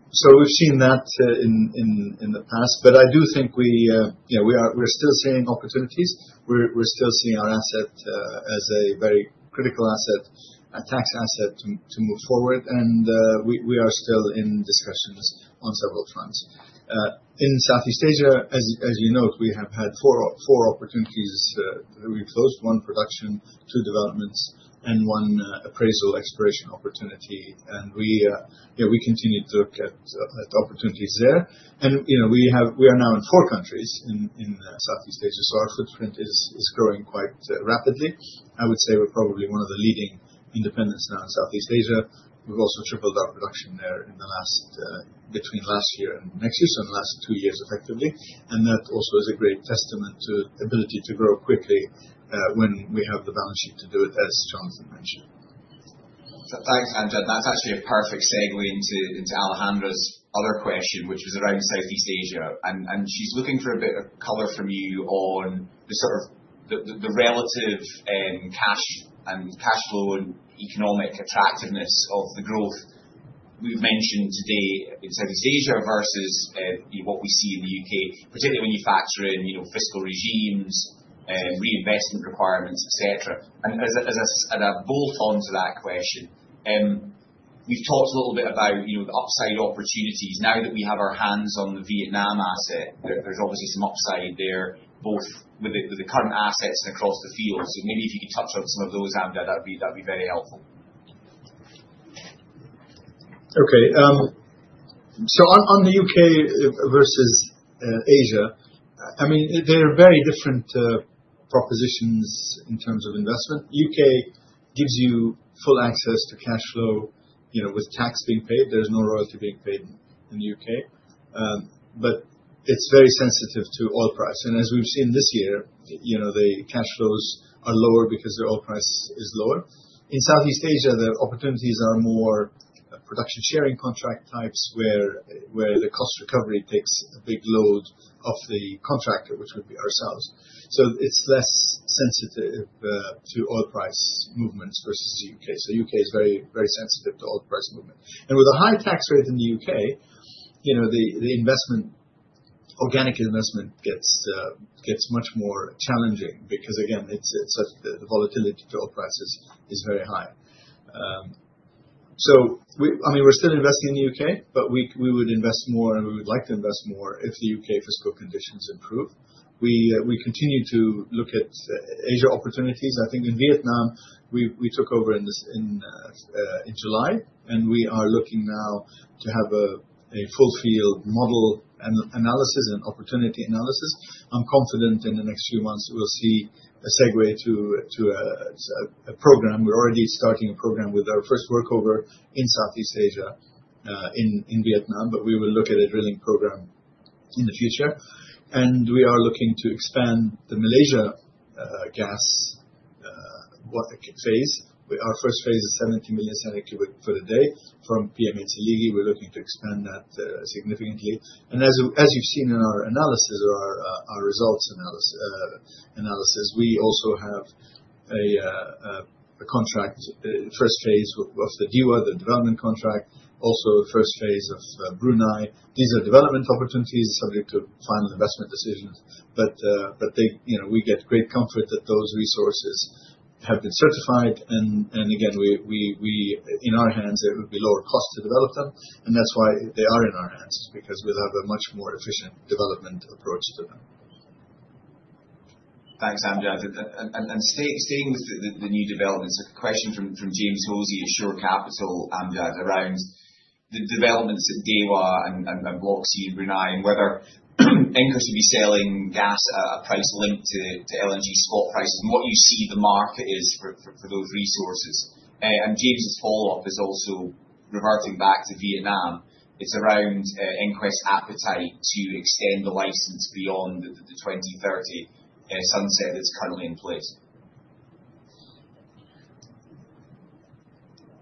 We've seen that in the past. But I do think we are still seeing opportunities. We're still seeing our asset as a very critical asset, a tax asset to move forward. And we are still in discussions on several fronts. In Southeast Asia, as you note, we have had four opportunities that we closed: one production, two developments, and one appraisal expiration opportunity. And we continue to look at opportunities there. And we are now in four countries in Southeast Asia. So our footprint is growing quite rapidly. I would say we're probably one of the leading independents now in Southeast Asia. We've also tripled our production there between last year and next year, so in the last two years, effectively. And that also is a great testament to the ability to grow quickly when we have the balance sheet to do it, as Jonathan mentioned. Thanks, Amjad. That's actually a perfect segue into Alejandra's other question, which was around Southeast Asia. And she's looking for a bit of color from you on the sort of relative cash and cash flow and economic attractiveness of the growth we've mentioned today in Southeast Asia versus what we see in the U.K., particularly when you factor in fiscal regimes, reinvestment requirements, et cetera. And as a bolt onto that question, we've talked a little bit about the upside opportunities. Now that we have our hands on the Vietnam asset, there's obviously some upside there, both with the current assets and across the field. So maybe if you could touch on some of those, Amjad, that would be very helpful. Okay. So on the U.K. versus Asia, I mean, they're very different propositions in terms of investment. U.K. gives you full access to cash flow with tax being paid. There's no royalty being paid in the U.K., but it's very sensitive to oil price, and as we've seen this year, the cash flows are lower because the oil price is lower. In Southeast Asia, the opportunities are more production sharing contract types where the cost recovery takes a big load off the contractor, which would be ourselves, so it's less sensitive to oil price movements versus the U.K., so U.K. is very sensitive to oil price movement, and with a high tax rate in the U.K., the organic investment gets much more challenging because, again, the volatility to oil prices is very high, so I mean, we're still investing in the U.K., but we would invest more, and we would like to invest more if the U.K. fiscal conditions improve. We continue to look at Asia opportunities. I think in Vietnam, we took over in July, and we are looking now to have a full-field model analysis and opportunity analysis. I'm confident in the next few months, we'll see a segue to a program. We're already starting a program with our first workover in Southeast Asia in Vietnam, but we will look at a drilling program in the future. We are looking to expand the Malaysia gas phase. Our first phase is 70 million cubic feet a day from PM8/Seligi. We're looking to expand that significantly. As you've seen in our analysis or our results analysis, we also have a contract, first phase of the Dewa, the development contract, also the first phase of Brunei. These are development opportunities subject to final investment decisions. We get great comfort that those resources have been certified. Again, in our hands, it would be lower cost to develop them. That's why they are in our hands, because we'll have a much more efficient development approach to them. Thanks, Amjad. Staying with the new developments, a question from James Hosie at Shore Capital, Amjad, around the developments at Dewa and Block C in Brunei and whether EnQuest would be selling gas at a price linked to LNG spot prices and what you see the market is for those resources. James's follow-up is also reverting back to Vietnam. It's around EnQuest's appetite to extend the license beyond the 2030 sunset that's currently in place.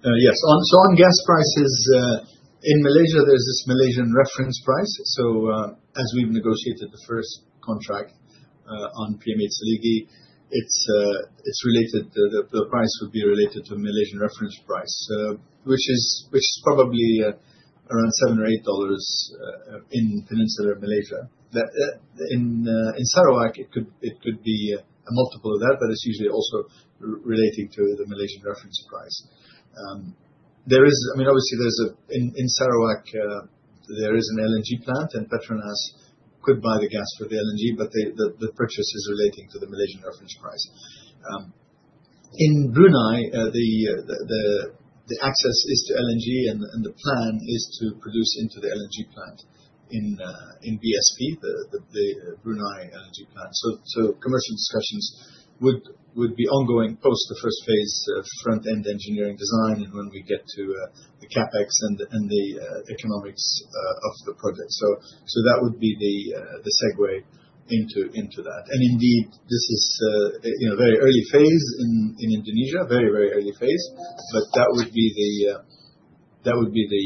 Yes. On gas prices in Malaysia, there's this Malaysian reference price. So as we've negotiated the first contract on PM8/Seligi, the price would be related to a Malaysian reference price, which is probably around $7 or $8 in Peninsular Malaysia. In Sarawak, it could be a multiple of that, but it's usually also relating to the Malaysian reference price. I mean, obviously, in Sarawak, there is an LNG plant, and PETRONAS could buy the gas for the LNG, but the purchase is relating to the Malaysian reference price. In Brunei, the access is to LNG, and the plan is to produce into the LNG plant in BSP, the Brunei LNG plant. So commercial discussions would be ongoing post the first phase of front-end engineering design and when we get to the CapEx and the economics of the project. So that would be the segue into that. And indeed, this is a very early phase in Indonesia, very, very early phase. But that would be the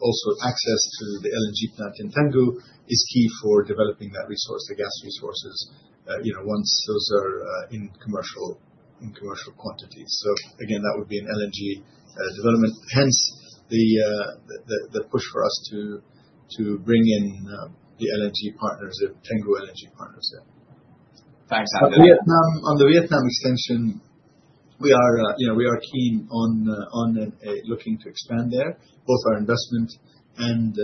also access to the LNG plant in Tangguh is key for developing that resource, the gas resources, once those are in commercial quantities. So again, that would be an LNG development. Hence, the push for us to bring in the LNG partnership, Tangguh LNG partnership. Thanks, Amjad. On the Vietnam extension, we are keen on looking to expand there, both our investment and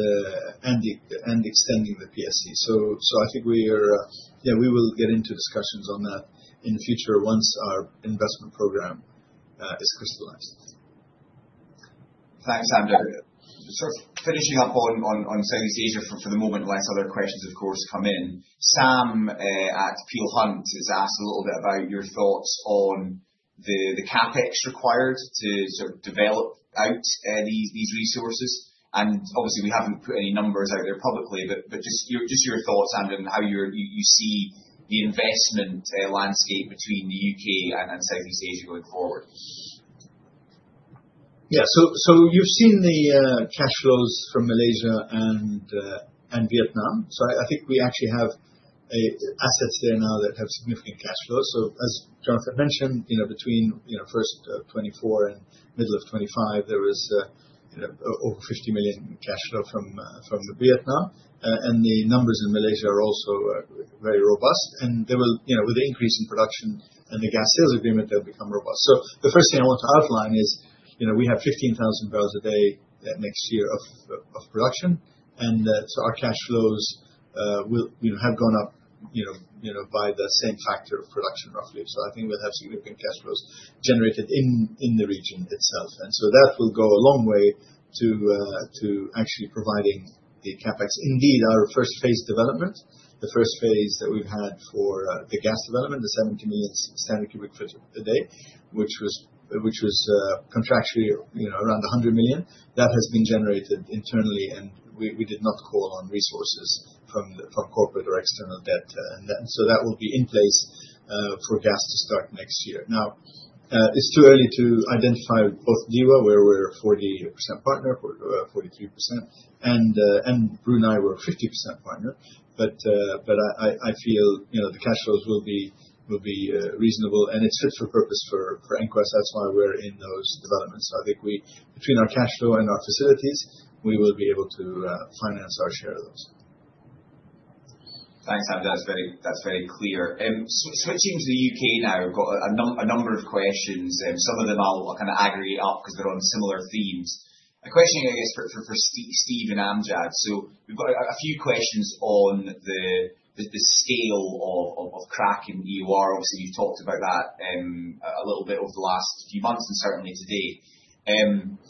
extending the PSC. So I think we will get into discussions on that in the future once our investment program is crystallized. Thanks, Amjad. Finishing up on Southeast Asia for the moment unless other questions, of course, come in. Sam at Peel Hunt has asked a little bit about your thoughts on the CapEx required to sort of develop out these resources. Obviously, we haven't put any numbers out there publicly, but just your thoughts, Amjad, on how you see the investment landscape between the U.K. and Southeast Asia going forward. Yeah. So you've seen the cash flows from Malaysia and Vietnam. So I think we actually have assets there now that have significant cash flows. So as Jonathan mentioned, between first of 2024 and middle of 2025, there was over $50 million cash flow from Vietnam. And the numbers in Malaysia are also very robust. And with the increase in production and the gas sales agreement, they'll become robust. So the first thing I want to outline is we have 15,000 barrels a day next year of production. And so our cash flows have gone up by the same factor of production, roughly. So I think we'll have significant cash flows generated in the region itself. And so that will go a long way to actually providing the CapEx. Indeed, our first phase development, the first phase that we've had for the gas development, the 70 million standard cubic feet per day, which was contractually around 100 million, that has been generated internally. And we did not call on resources from corporate or external debt. And so that will be in place for gas to start next year. Now, it's too early to identify both Dewa, where we're a 40% partner, 43%, and Brunei, where we're a 50% partner. But I feel the cash flows will be reasonable. And it fits for purpose for EnQuest. That's why we're in those developments. So I think between our cash flow and our facilities, we will be able to finance our share of those. Thanks, Amjad. That's very clear. Switching to the U.K. now, we've got a number of questions. Some of them I'll kind of aggregate up because they're on similar themes. A question, I guess, for Steve and Amjad. So we've got a few questions on the scale of Kraken and EOR. Obviously, you've talked about that a little bit over the last few months and certainly today.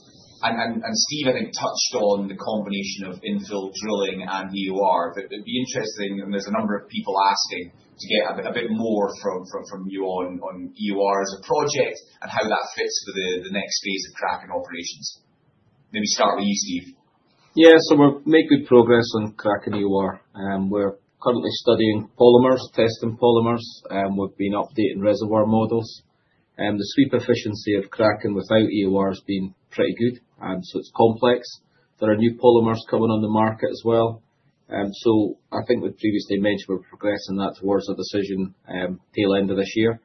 And Steve, I think, touched on the combination of infill drilling and EOR. But it'd be interesting, and there's a number of people asking, to get a bit more from you on EOR as a project and how that fits with the next phase of Kraken and operations. Maybe start with you, Steve. Yeah. So we're making progress on Kraken and EOR. We're currently studying polymers, testing polymers. We've been updating reservoir models. The sweep efficiency of Kraken without EOR has been pretty good. So it's complex. There are new polymers coming on the market as well. I think we previously mentioned we're progressing that towards a decision tail end of this year.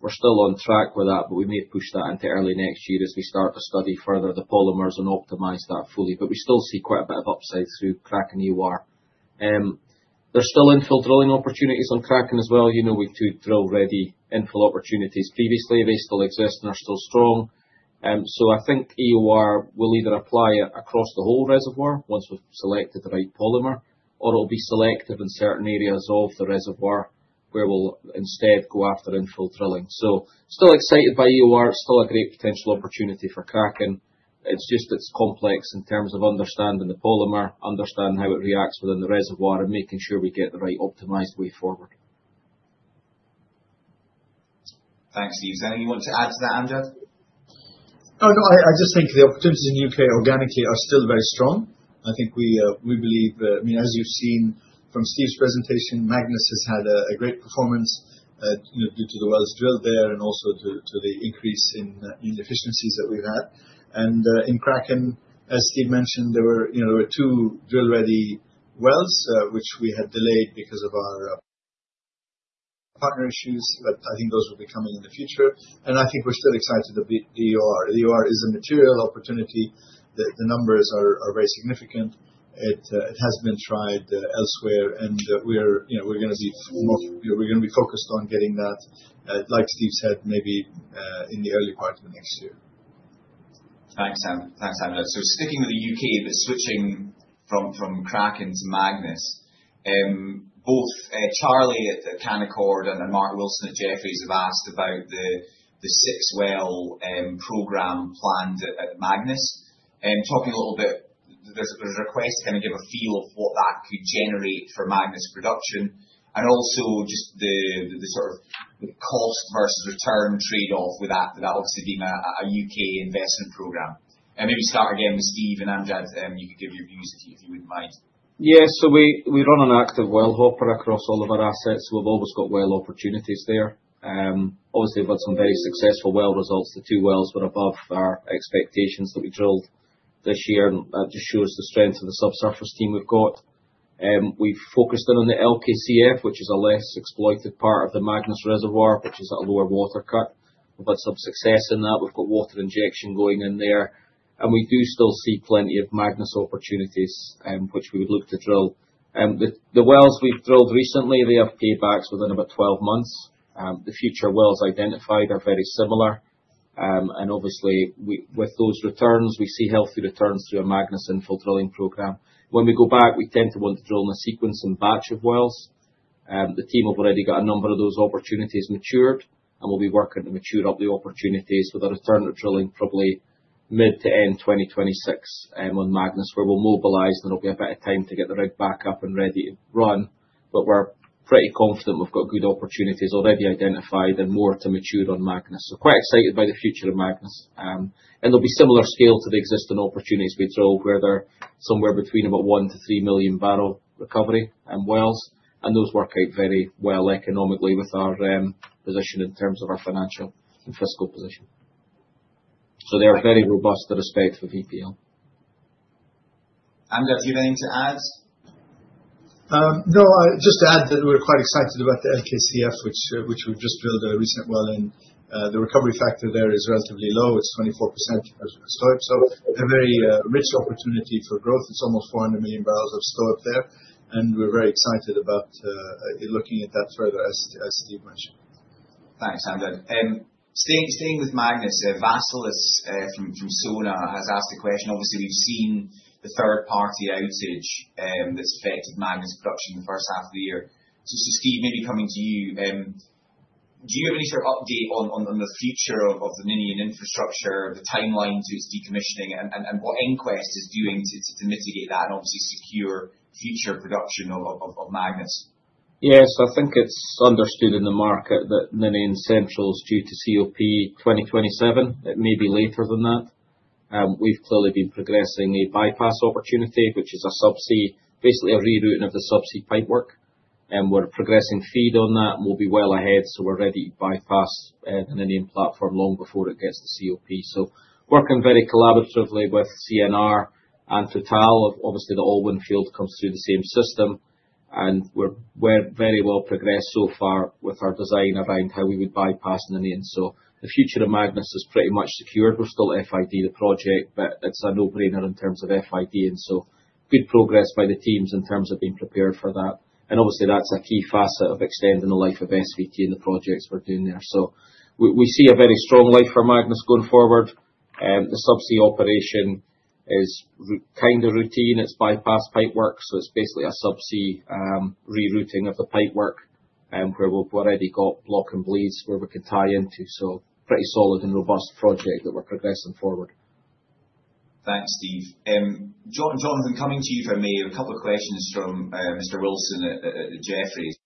We're still on track with that, but we may push that into early next year as we start to study further the polymers and optimize that fully. We still see quite a bit of upside through Kraken and EOR. There's still infill drilling opportunities on Kraken as well. We've two drill-ready infill opportunities. Previously, they still exist and are still strong. I think EOR will either apply across the whole reservoir once we've selected the right polymer, or it'll be selective in certain areas of the reservoir where we'll instead go after infill drilling. Still excited by EOR. It's still a great potential opportunity for Kraken, and it's just, it's complex in terms of understanding the polymer, understanding how it reacts within the reservoir, and making sure we get the right optimized way forward. Thanks, Steve. Is there anything you want to add to that, Amjad? No, I just think the opportunities in the U.K. organically are still very strong. I think we believe, I mean, as you've seen from Steve's presentation, Magnus has had a great performance due to the wells drilled there and also to the increase in efficiencies that we've had, and in Kraken, as Steve mentioned, there were two drill-ready wells, which we had delayed because of our partner issues, but I think those will be coming in the future, and I think we're still excited about the EOR. The EOR is a material opportunity. The numbers are very significant. It has been tried elsewhere, and we're going to be focused on getting that, like Steve said, maybe in the early part of next year. Thanks, Amjad. So sticking with the U.K., but switching from Kraken to Magnus, both Charlie at Canaccord and Mark Wilson at Jefferies have asked about the six-well program planned at Magnus. Talking a little bit, there's a request to kind of give a feel of what that could generate for Magnus production and also just the sort of cost versus return trade-off with that, that obviously being a U.K. investment program. And maybe start again with Steve and Amjad, and you could give your views if you wouldn't mind. Yeah. So we run an active well hopper across all of our assets. We've always got well opportunities there. Obviously, we've had some very successful well results. The two wells were above our expectations that we drilled this year. That just shows the strength of the subsurface team we've got. We've focused in on the LKCF, which is a less exploited part of the Magnus reservoir, which is at a lower water cut. We've had some success in that. We've got water injection going in there. And we do still see plenty of Magnus opportunities, which we would look to drill. The wells we've drilled recently, they have paybacks within about 12 months. The future wells identified are very similar. And obviously, with those returns, we see healthy returns through a Magnus infill drilling program. When we go back, we tend to want to drill in a sequence and batch of wells. The team have already got a number of those opportunities matured, and we'll be working to mature up the opportunities with a return to drilling probably mid to end 2026 on Magnus, where we'll mobilize, and there'll be a bit of time to get the rig back up and ready to run. But we're pretty confident we've got good opportunities already identified and more to mature on Magnus. So quite excited by the future of Magnus. And there'll be similar scale to the existing opportunities we drill, where they're somewhere between about one to three million barrel recovery wells. And those work out very well economically with our position in terms of our financial and fiscal position. So they're very robust with respect to VPL. Amjad, do you have anything to add? No, just to add that we're quite excited about the LKCF, which we've just drilled a recent well in. The recovery factor there is relatively low. It's 24% as per STOIIP, so a very rich opportunity for growth. It's almost 400 million barrels of STOIIP there, and we're very excited about looking at that further, as Steve mentioned. Thanks, Amjad. Staying with Magnus, Vasilis from Sona has asked a question. Obviously, we've seen the third-party outage that's affected Magnus production in the first half of the year. So Steve, maybe coming to you, do you have any sort of update on the future of the Ninian infrastructure, the timeline to its decommissioning, and what EnQuest is doing to mitigate that and obviously secure future production of Magnus? Yes. I think it's understood in the market that Ninian Central is due to COP 2027. It may be later than that. We've clearly been progressing a bypass opportunity, which is a subsea, basically a rerouting of the subsea pipework. We're progressing feed on that and we'll be well ahead. We're ready to bypass the Ninian platform long before it gets to COP. Working very collaboratively with CNR and Total. Obviously, the Alwyn field comes through the same system. We're very well progressed so far with our design around how we would bypass Ninian. The future of Magnus is pretty much secured. We're still FID the project, but it's a no-brainer in terms of FID. Good progress by the teams in terms of being prepared for that. That's a key facet of extending the life of SVT and the projects we're doing there. We see a very strong life for Magnus going forward. The subsea operation is kind of routine. It's bypass pipework. So it's basically a subsea rerouting of the pipework where we've already got block and bleeds where we can tie into. So pretty solid and robust project that we're progressing forward. Thanks, Steve. Jonathan, coming to you from me, a couple of questions from Mr. Wilson at Jefferies.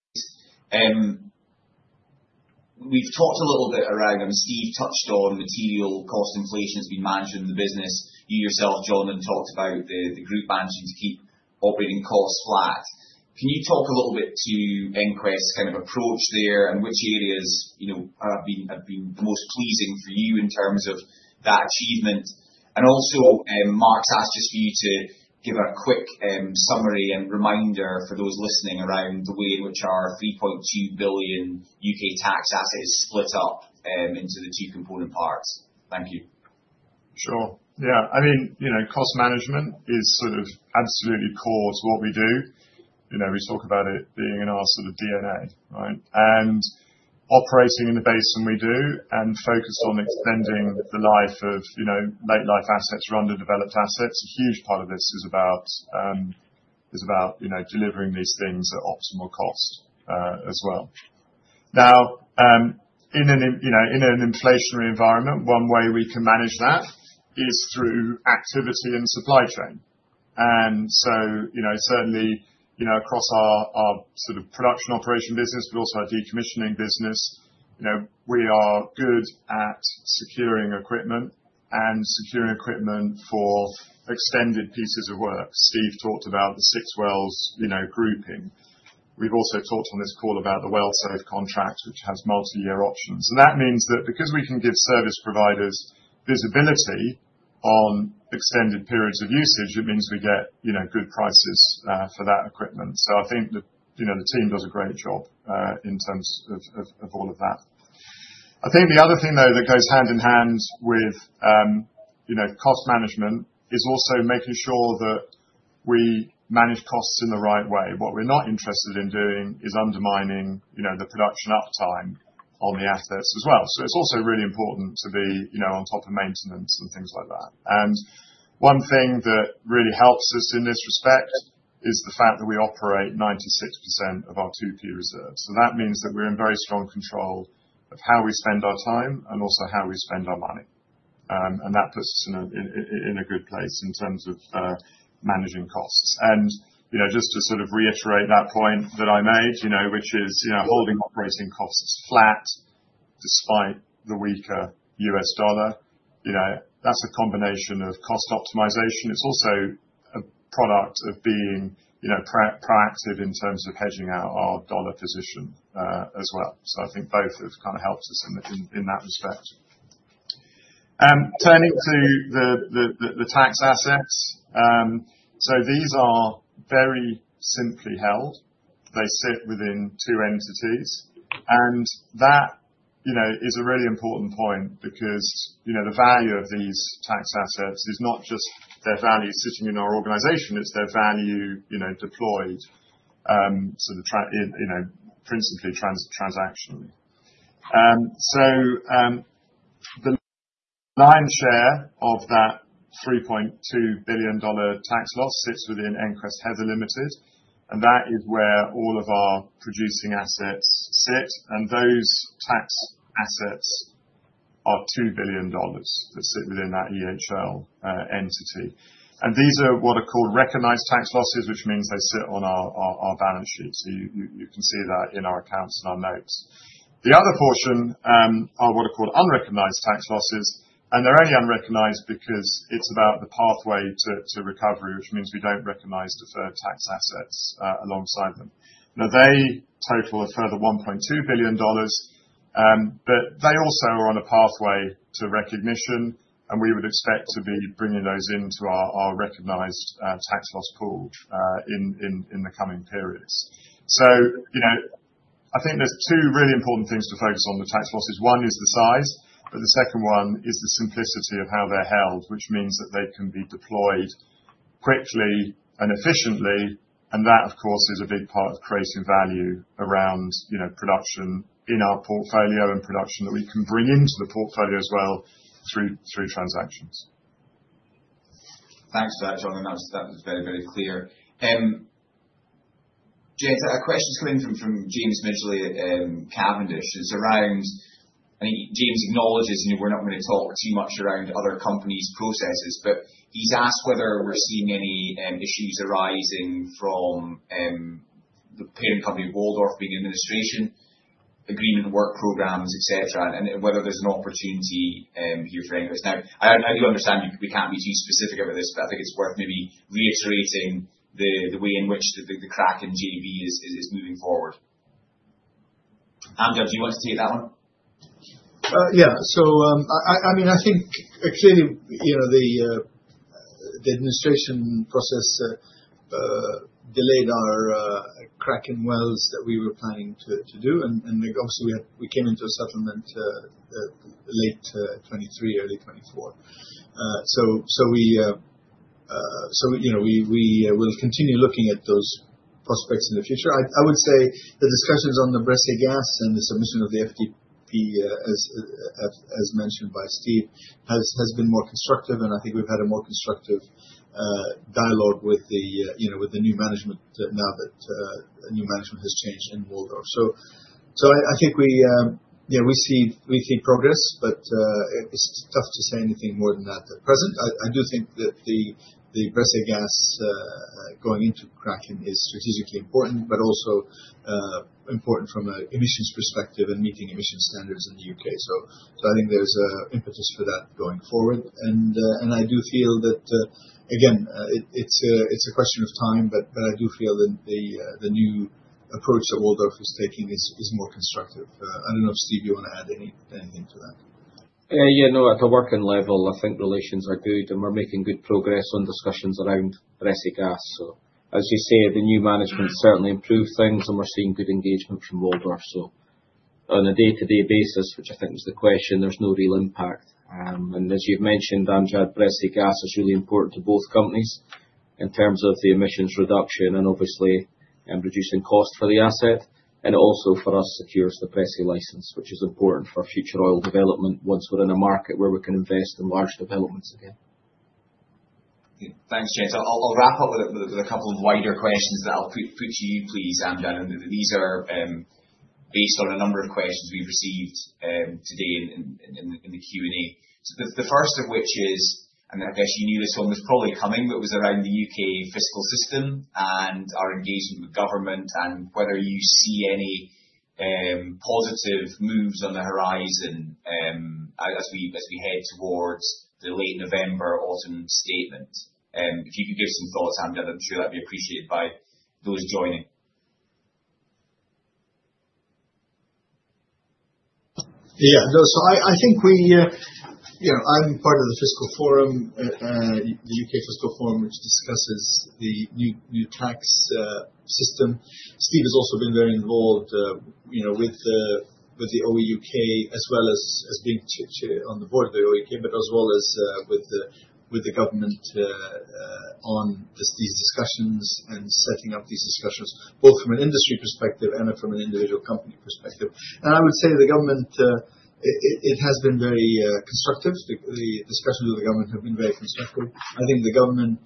We've talked a little bit around, and Steve touched on material cost inflation has been managed in the business. You yourself, Jonathan, talked about the group managing to keep operating costs flat. Can you talk a little bit to EnQuest's kind of approach there and which areas have been the most pleasing for you in terms of that achievement? And also, Mark's asked just for you to give a quick summary and reminder for those listening around the way in which our 3.2 billion U.K. tax asset is split up into the two component parts. Thank you. Sure. Yeah. I mean, cost management is sort of absolutely core to what we do. We talk about it being in our sort of DNA, right, and operating in the basin we do and focus on extending the life of late-life assets or underdeveloped assets. A huge part of this is about delivering these things at optimal cost as well. Now, in an inflationary environment, one way we can manage that is through activity and supply chain, and so certainly across our sort of production operation business, but also our decommissioning business, we are good at securing equipment and securing equipment for extended pieces of work. Steve talked about the six wells grouping. We've also talked on this call about the Well-Safe contract, which has multi-year options. And that means that because we can give service providers visibility on extended periods of usage, it means we get good prices for that equipment. So I think the team does a great job in terms of all of that. I think the other thing, though, that goes hand in hand with cost management is also making sure that we manage costs in the right way. What we're not interested in doing is undermining the production uptime on the assets as well. So it's also really important to be on top of maintenance and things like that. And one thing that really helps us in this respect is the fact that we operate 96% of our 2P reserves. So that means that we're in very strong control of how we spend our time and also how we spend our money. And that puts us in a good place in terms of managing costs. And just to sort of reiterate that point that I made, which is holding operating costs flat despite the weaker U.S. dollar, that's a combination of cost optimization. It's also a product of being proactive in terms of hedging our dollar position as well. So I think both have kind of helped us in that respect. Turning to the tax assets. So these are very simply held. They sit within two entities. And that is a really important point because the value of these tax assets is not just their value sitting in our organization. It's their value deployed sort of principally transactionally. So the lion's share of that $3.2 billion tax loss sits within EnQuest Heather Limited. And that is where all of our producing assets sit. And those tax assets are $2 billion that sit within that EHL entity. These are what are called recognized tax losses, which means they sit on our balance sheet. You can see that in our accounts and our notes. The other portion are what are called unrecognized tax losses. They're only unrecognized because it's about the pathway to recovery, which means we don't recognize deferred tax assets alongside them. Now, they total a further $1.2 billion, but they also are on a pathway to recognition, and we would expect to be bringing those into our recognized tax loss pool in the coming periods. I think there's two really important things to focus on with tax losses. One is the size, but the second one is the simplicity of how they're held, which means that they can be deployed quickly and efficiently. That, of course, is a big part of creating value around production in our portfolio and production that we can bring into the portfolio as well through transactions. Thanks for that, Jonathan. That was very, very clear. A question is coming from James Midgley Cavendish. It's around. I think James acknowledges we're not going to talk too much around other companies' processes, but he's asked whether we're seeing any issues arising from the parent company Waldorf being in administration, agreed work programs, et cetera, and whether there's an opportunity here for any of this. Now, I do understand we can't be too specific over this, but I think it's worth maybe reiterating the way in which the Kraken JV is moving forward. Amjad, do you want to take that one? Yeah. So I mean, I think clearly the administration process delayed our Kraken wells that we were planning to do. And obviously, we came into a settlement late 2023, early 2024. So we will continue looking at those prospects in the future. I would say the discussions on the Bressay gas and the submission of the FDP, as mentioned by Steve, has been more constructive. And I think we've had a more constructive dialogue with the new management now that new management has changed in Waldorf. So I think we see progress, but it's tough to say anything more than that at present. I do think that the Bressay gas going into Kraken is strategically important, but also important from an emissions perspective and meeting emissions standards in the U.K.. So I think there's an impetus for that going forward. I do feel that, again, it's a question of time, but I do feel that the new approach that Waldorf is taking is more constructive. I don't know if Steve, you want to add anything to that. Yeah. No, at the working level, I think relations are good, and we're making good progress on discussions around Bressay gas. So as you say, the new management certainly improved things, and we're seeing good engagement from Waldorf. So on a day-to-day basis, which I think was the question, there's no real impact. And as you've mentioned, Amjad, Bressay gas is really important to both companies in terms of the emissions reduction and obviously reducing cost for the asset. And it also for us secures the Bressay license, which is important for future oil development once we're in a market where we can invest in large developments again. Thanks, Jen. So, I'll wrap up with a couple of wider questions that I'll put to you, please, Amjad. And these are based on a number of questions we've received today in the Q&A. So the first of which is, and I guess you knew this one was probably coming, but it was around the U.K. fiscal system and our engagement with government and whether you see any positive moves on the horizon as we head towards the late November, autumn statement. If you could give some thoughts, Amjad, I'm sure that'd be appreciated by those joining. Yeah. So I think I'm part of the fiscal forum, the U.K. fiscal forum, which discusses the new tax system. Steve has also been very involved with the OEUK as well as being on the board of the OEUK, but as well as with the government on these discussions and setting up these discussions, both from an industry perspective and from an individual company perspective, and I would say the government; it has been very constructive. The discussions with the government have been very constructive. I think the government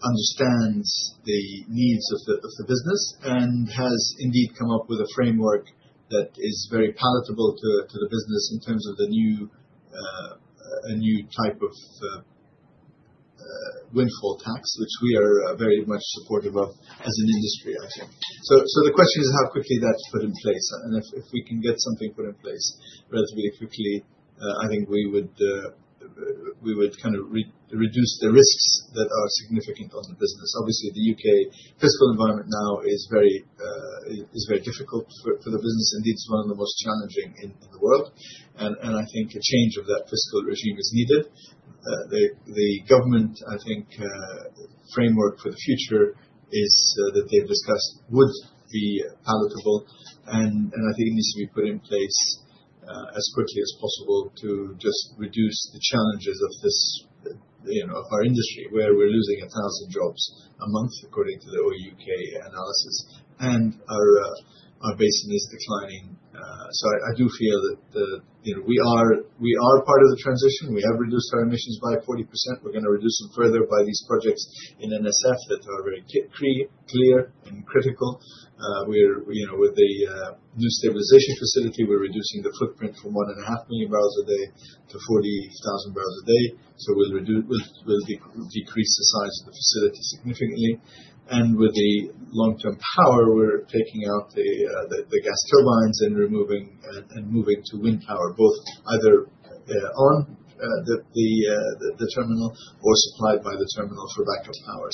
understands the needs of the business and has indeed come up with a framework that is very palatable to the business in terms of a new type of windfall tax, which we are very much supportive of as an industry, I think, so the question is how quickly that's put in place, and if we can get something put in place relatively quickly, I think we would kind of reduce the risks that are significant on the business. Obviously, the U.K. fiscal environment now is very difficult for the business. Indeed, it's one of the most challenging in the world. And I think a change of that fiscal regime is needed. The government, I think, framework for the future that they've discussed would be palatable. And I think it needs to be put in place as quickly as possible to just reduce the challenges of our industry, where we're losing 1,000 jobs a month according to the OEUK analysis, and our basin is declining. So I do feel that we are part of the transition. We have reduced our emissions by 40%. We're going to reduce them further by these projects in NSF that are very clear and critical. With the new stabilization facility, we're reducing the footprint from 1.5 million barrels a day to 40,000 barrels a day. So we'll decrease the size of the facility significantly. With the long-term power, we're taking out the gas turbines and moving to wind power, both either on the terminal or supplied by the terminal for backup power.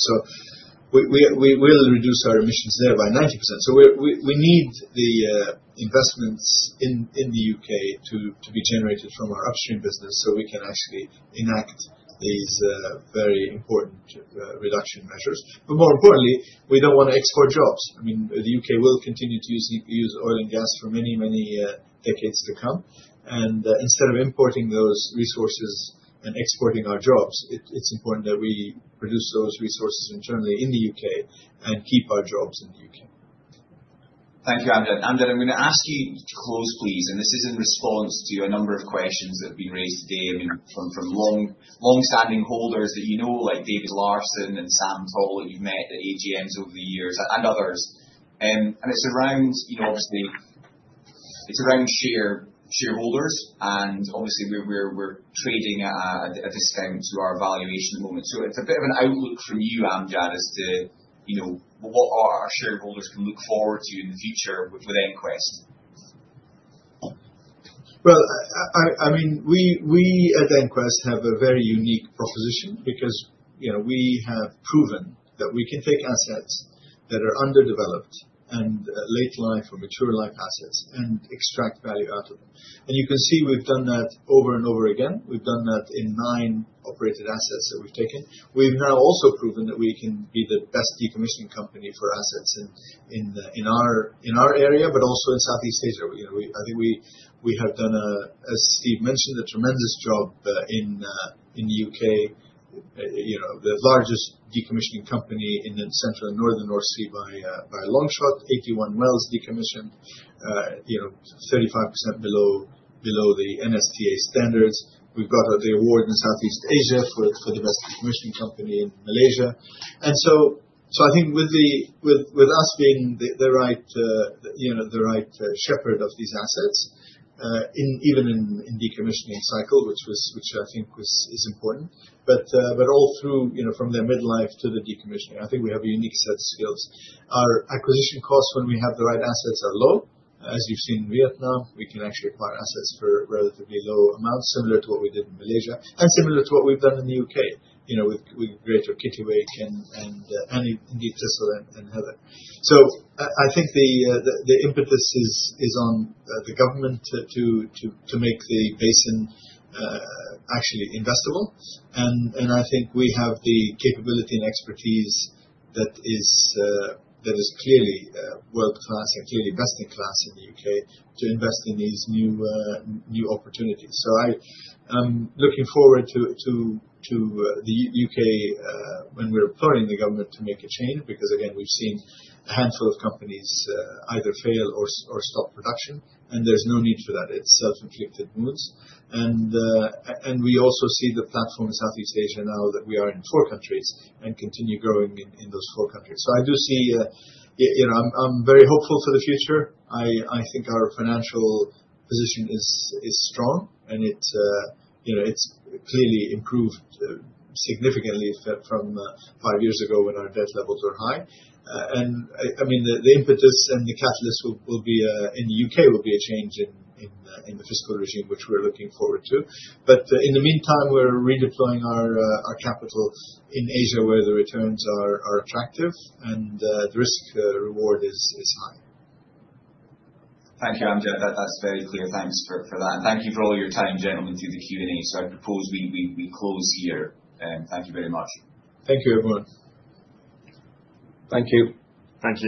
We'll reduce our emissions there by 90%. We need the investments in the U.K. to be generated from our upstream business so we can actually enact these very important reduction measures. More importantly, we don't want to export jobs. I mean, the U.K. will continue to use oil and gas for many, many decades to come. Instead of importing those resources and exporting our jobs, it's important that we produce those resources internally in the U.K. and keep our jobs in the U.K.. Thank you, Amjad. Amjad, I'm going to ask you to close, please. And this is in response to a number of questions that have been raised today, I mean, from long-standing holders that you know, like David Larson and Sam Wahid, that you've met at AGMs over the years and others. And it's around, obviously, it's around shareholders. And obviously, we're trading at a discount to our valuation at the moment. So it's a bit of an outlook from you, Amjad, as to what our shareholders can look forward to in the future with EnQuest. Well, I mean, we at EnQuest have a very unique proposition because we have proven that we can take assets that are underdeveloped and late-life or mature-life assets and extract value out of them. And you can see we've done that over and over again. We've done that in nine operated assets that we've taken. We've now also proven that we can be the best decommissioning company for assets in our area, but also in Southeast Asia. I think we have done, as Steve mentioned, a tremendous job in the U.K., the largest decommissioning company in the central and northern North Sea by a long shot, 81 wells decommissioned, 35% below the NSTA standards. We've got the award in Southeast Asia for the best decommissioning company in Malaysia. And so I think with us being the right shepherd of these assets, even in decommissioning cycle, which I think is important, but all through from their midlife to the decommissioning, I think we have a unique set of skills. Our acquisition costs, when we have the right assets, are low. As you've seen in Vietnam, we can actually acquire assets for relatively low amounts, similar to what we did in Malaysia and similar to what we've done in the U.K. with Greater Kittiwake and indeed Thistle and Heather. I think the impetus is on the government to make the basin actually investable. I think we have the capability and expertise that is clearly world-class and clearly best-in-class in the U.K. to invest in these new opportunities. I'm looking forward to the U.K. when we're appealing to the government to make a change because, again, we've seen a handful of companies either fail or stop production, and there's no need for that. It's self-inflicted wounds. We also see the footprint in Southeast Asia now that we are in four countries and continue growing in those four countries. I do see I'm very hopeful for the future. I think our financial position is strong, and it's clearly improved significantly from five years ago when our debt levels were high, and I mean, the impetus and the catalyst will be in the U.K., a change in the fiscal regime, which we're looking forward to, but in the meantime, we're redeploying our capital in Asia where the returns are attractive and the risk-reward is high. Thank you, Amjad. That's very clear. Thanks for that, and thank you for all your time, gentlemen, through the Q&A, so I propose we close here. Thank you very much. Thank you, everyone. Thank you. Thanks.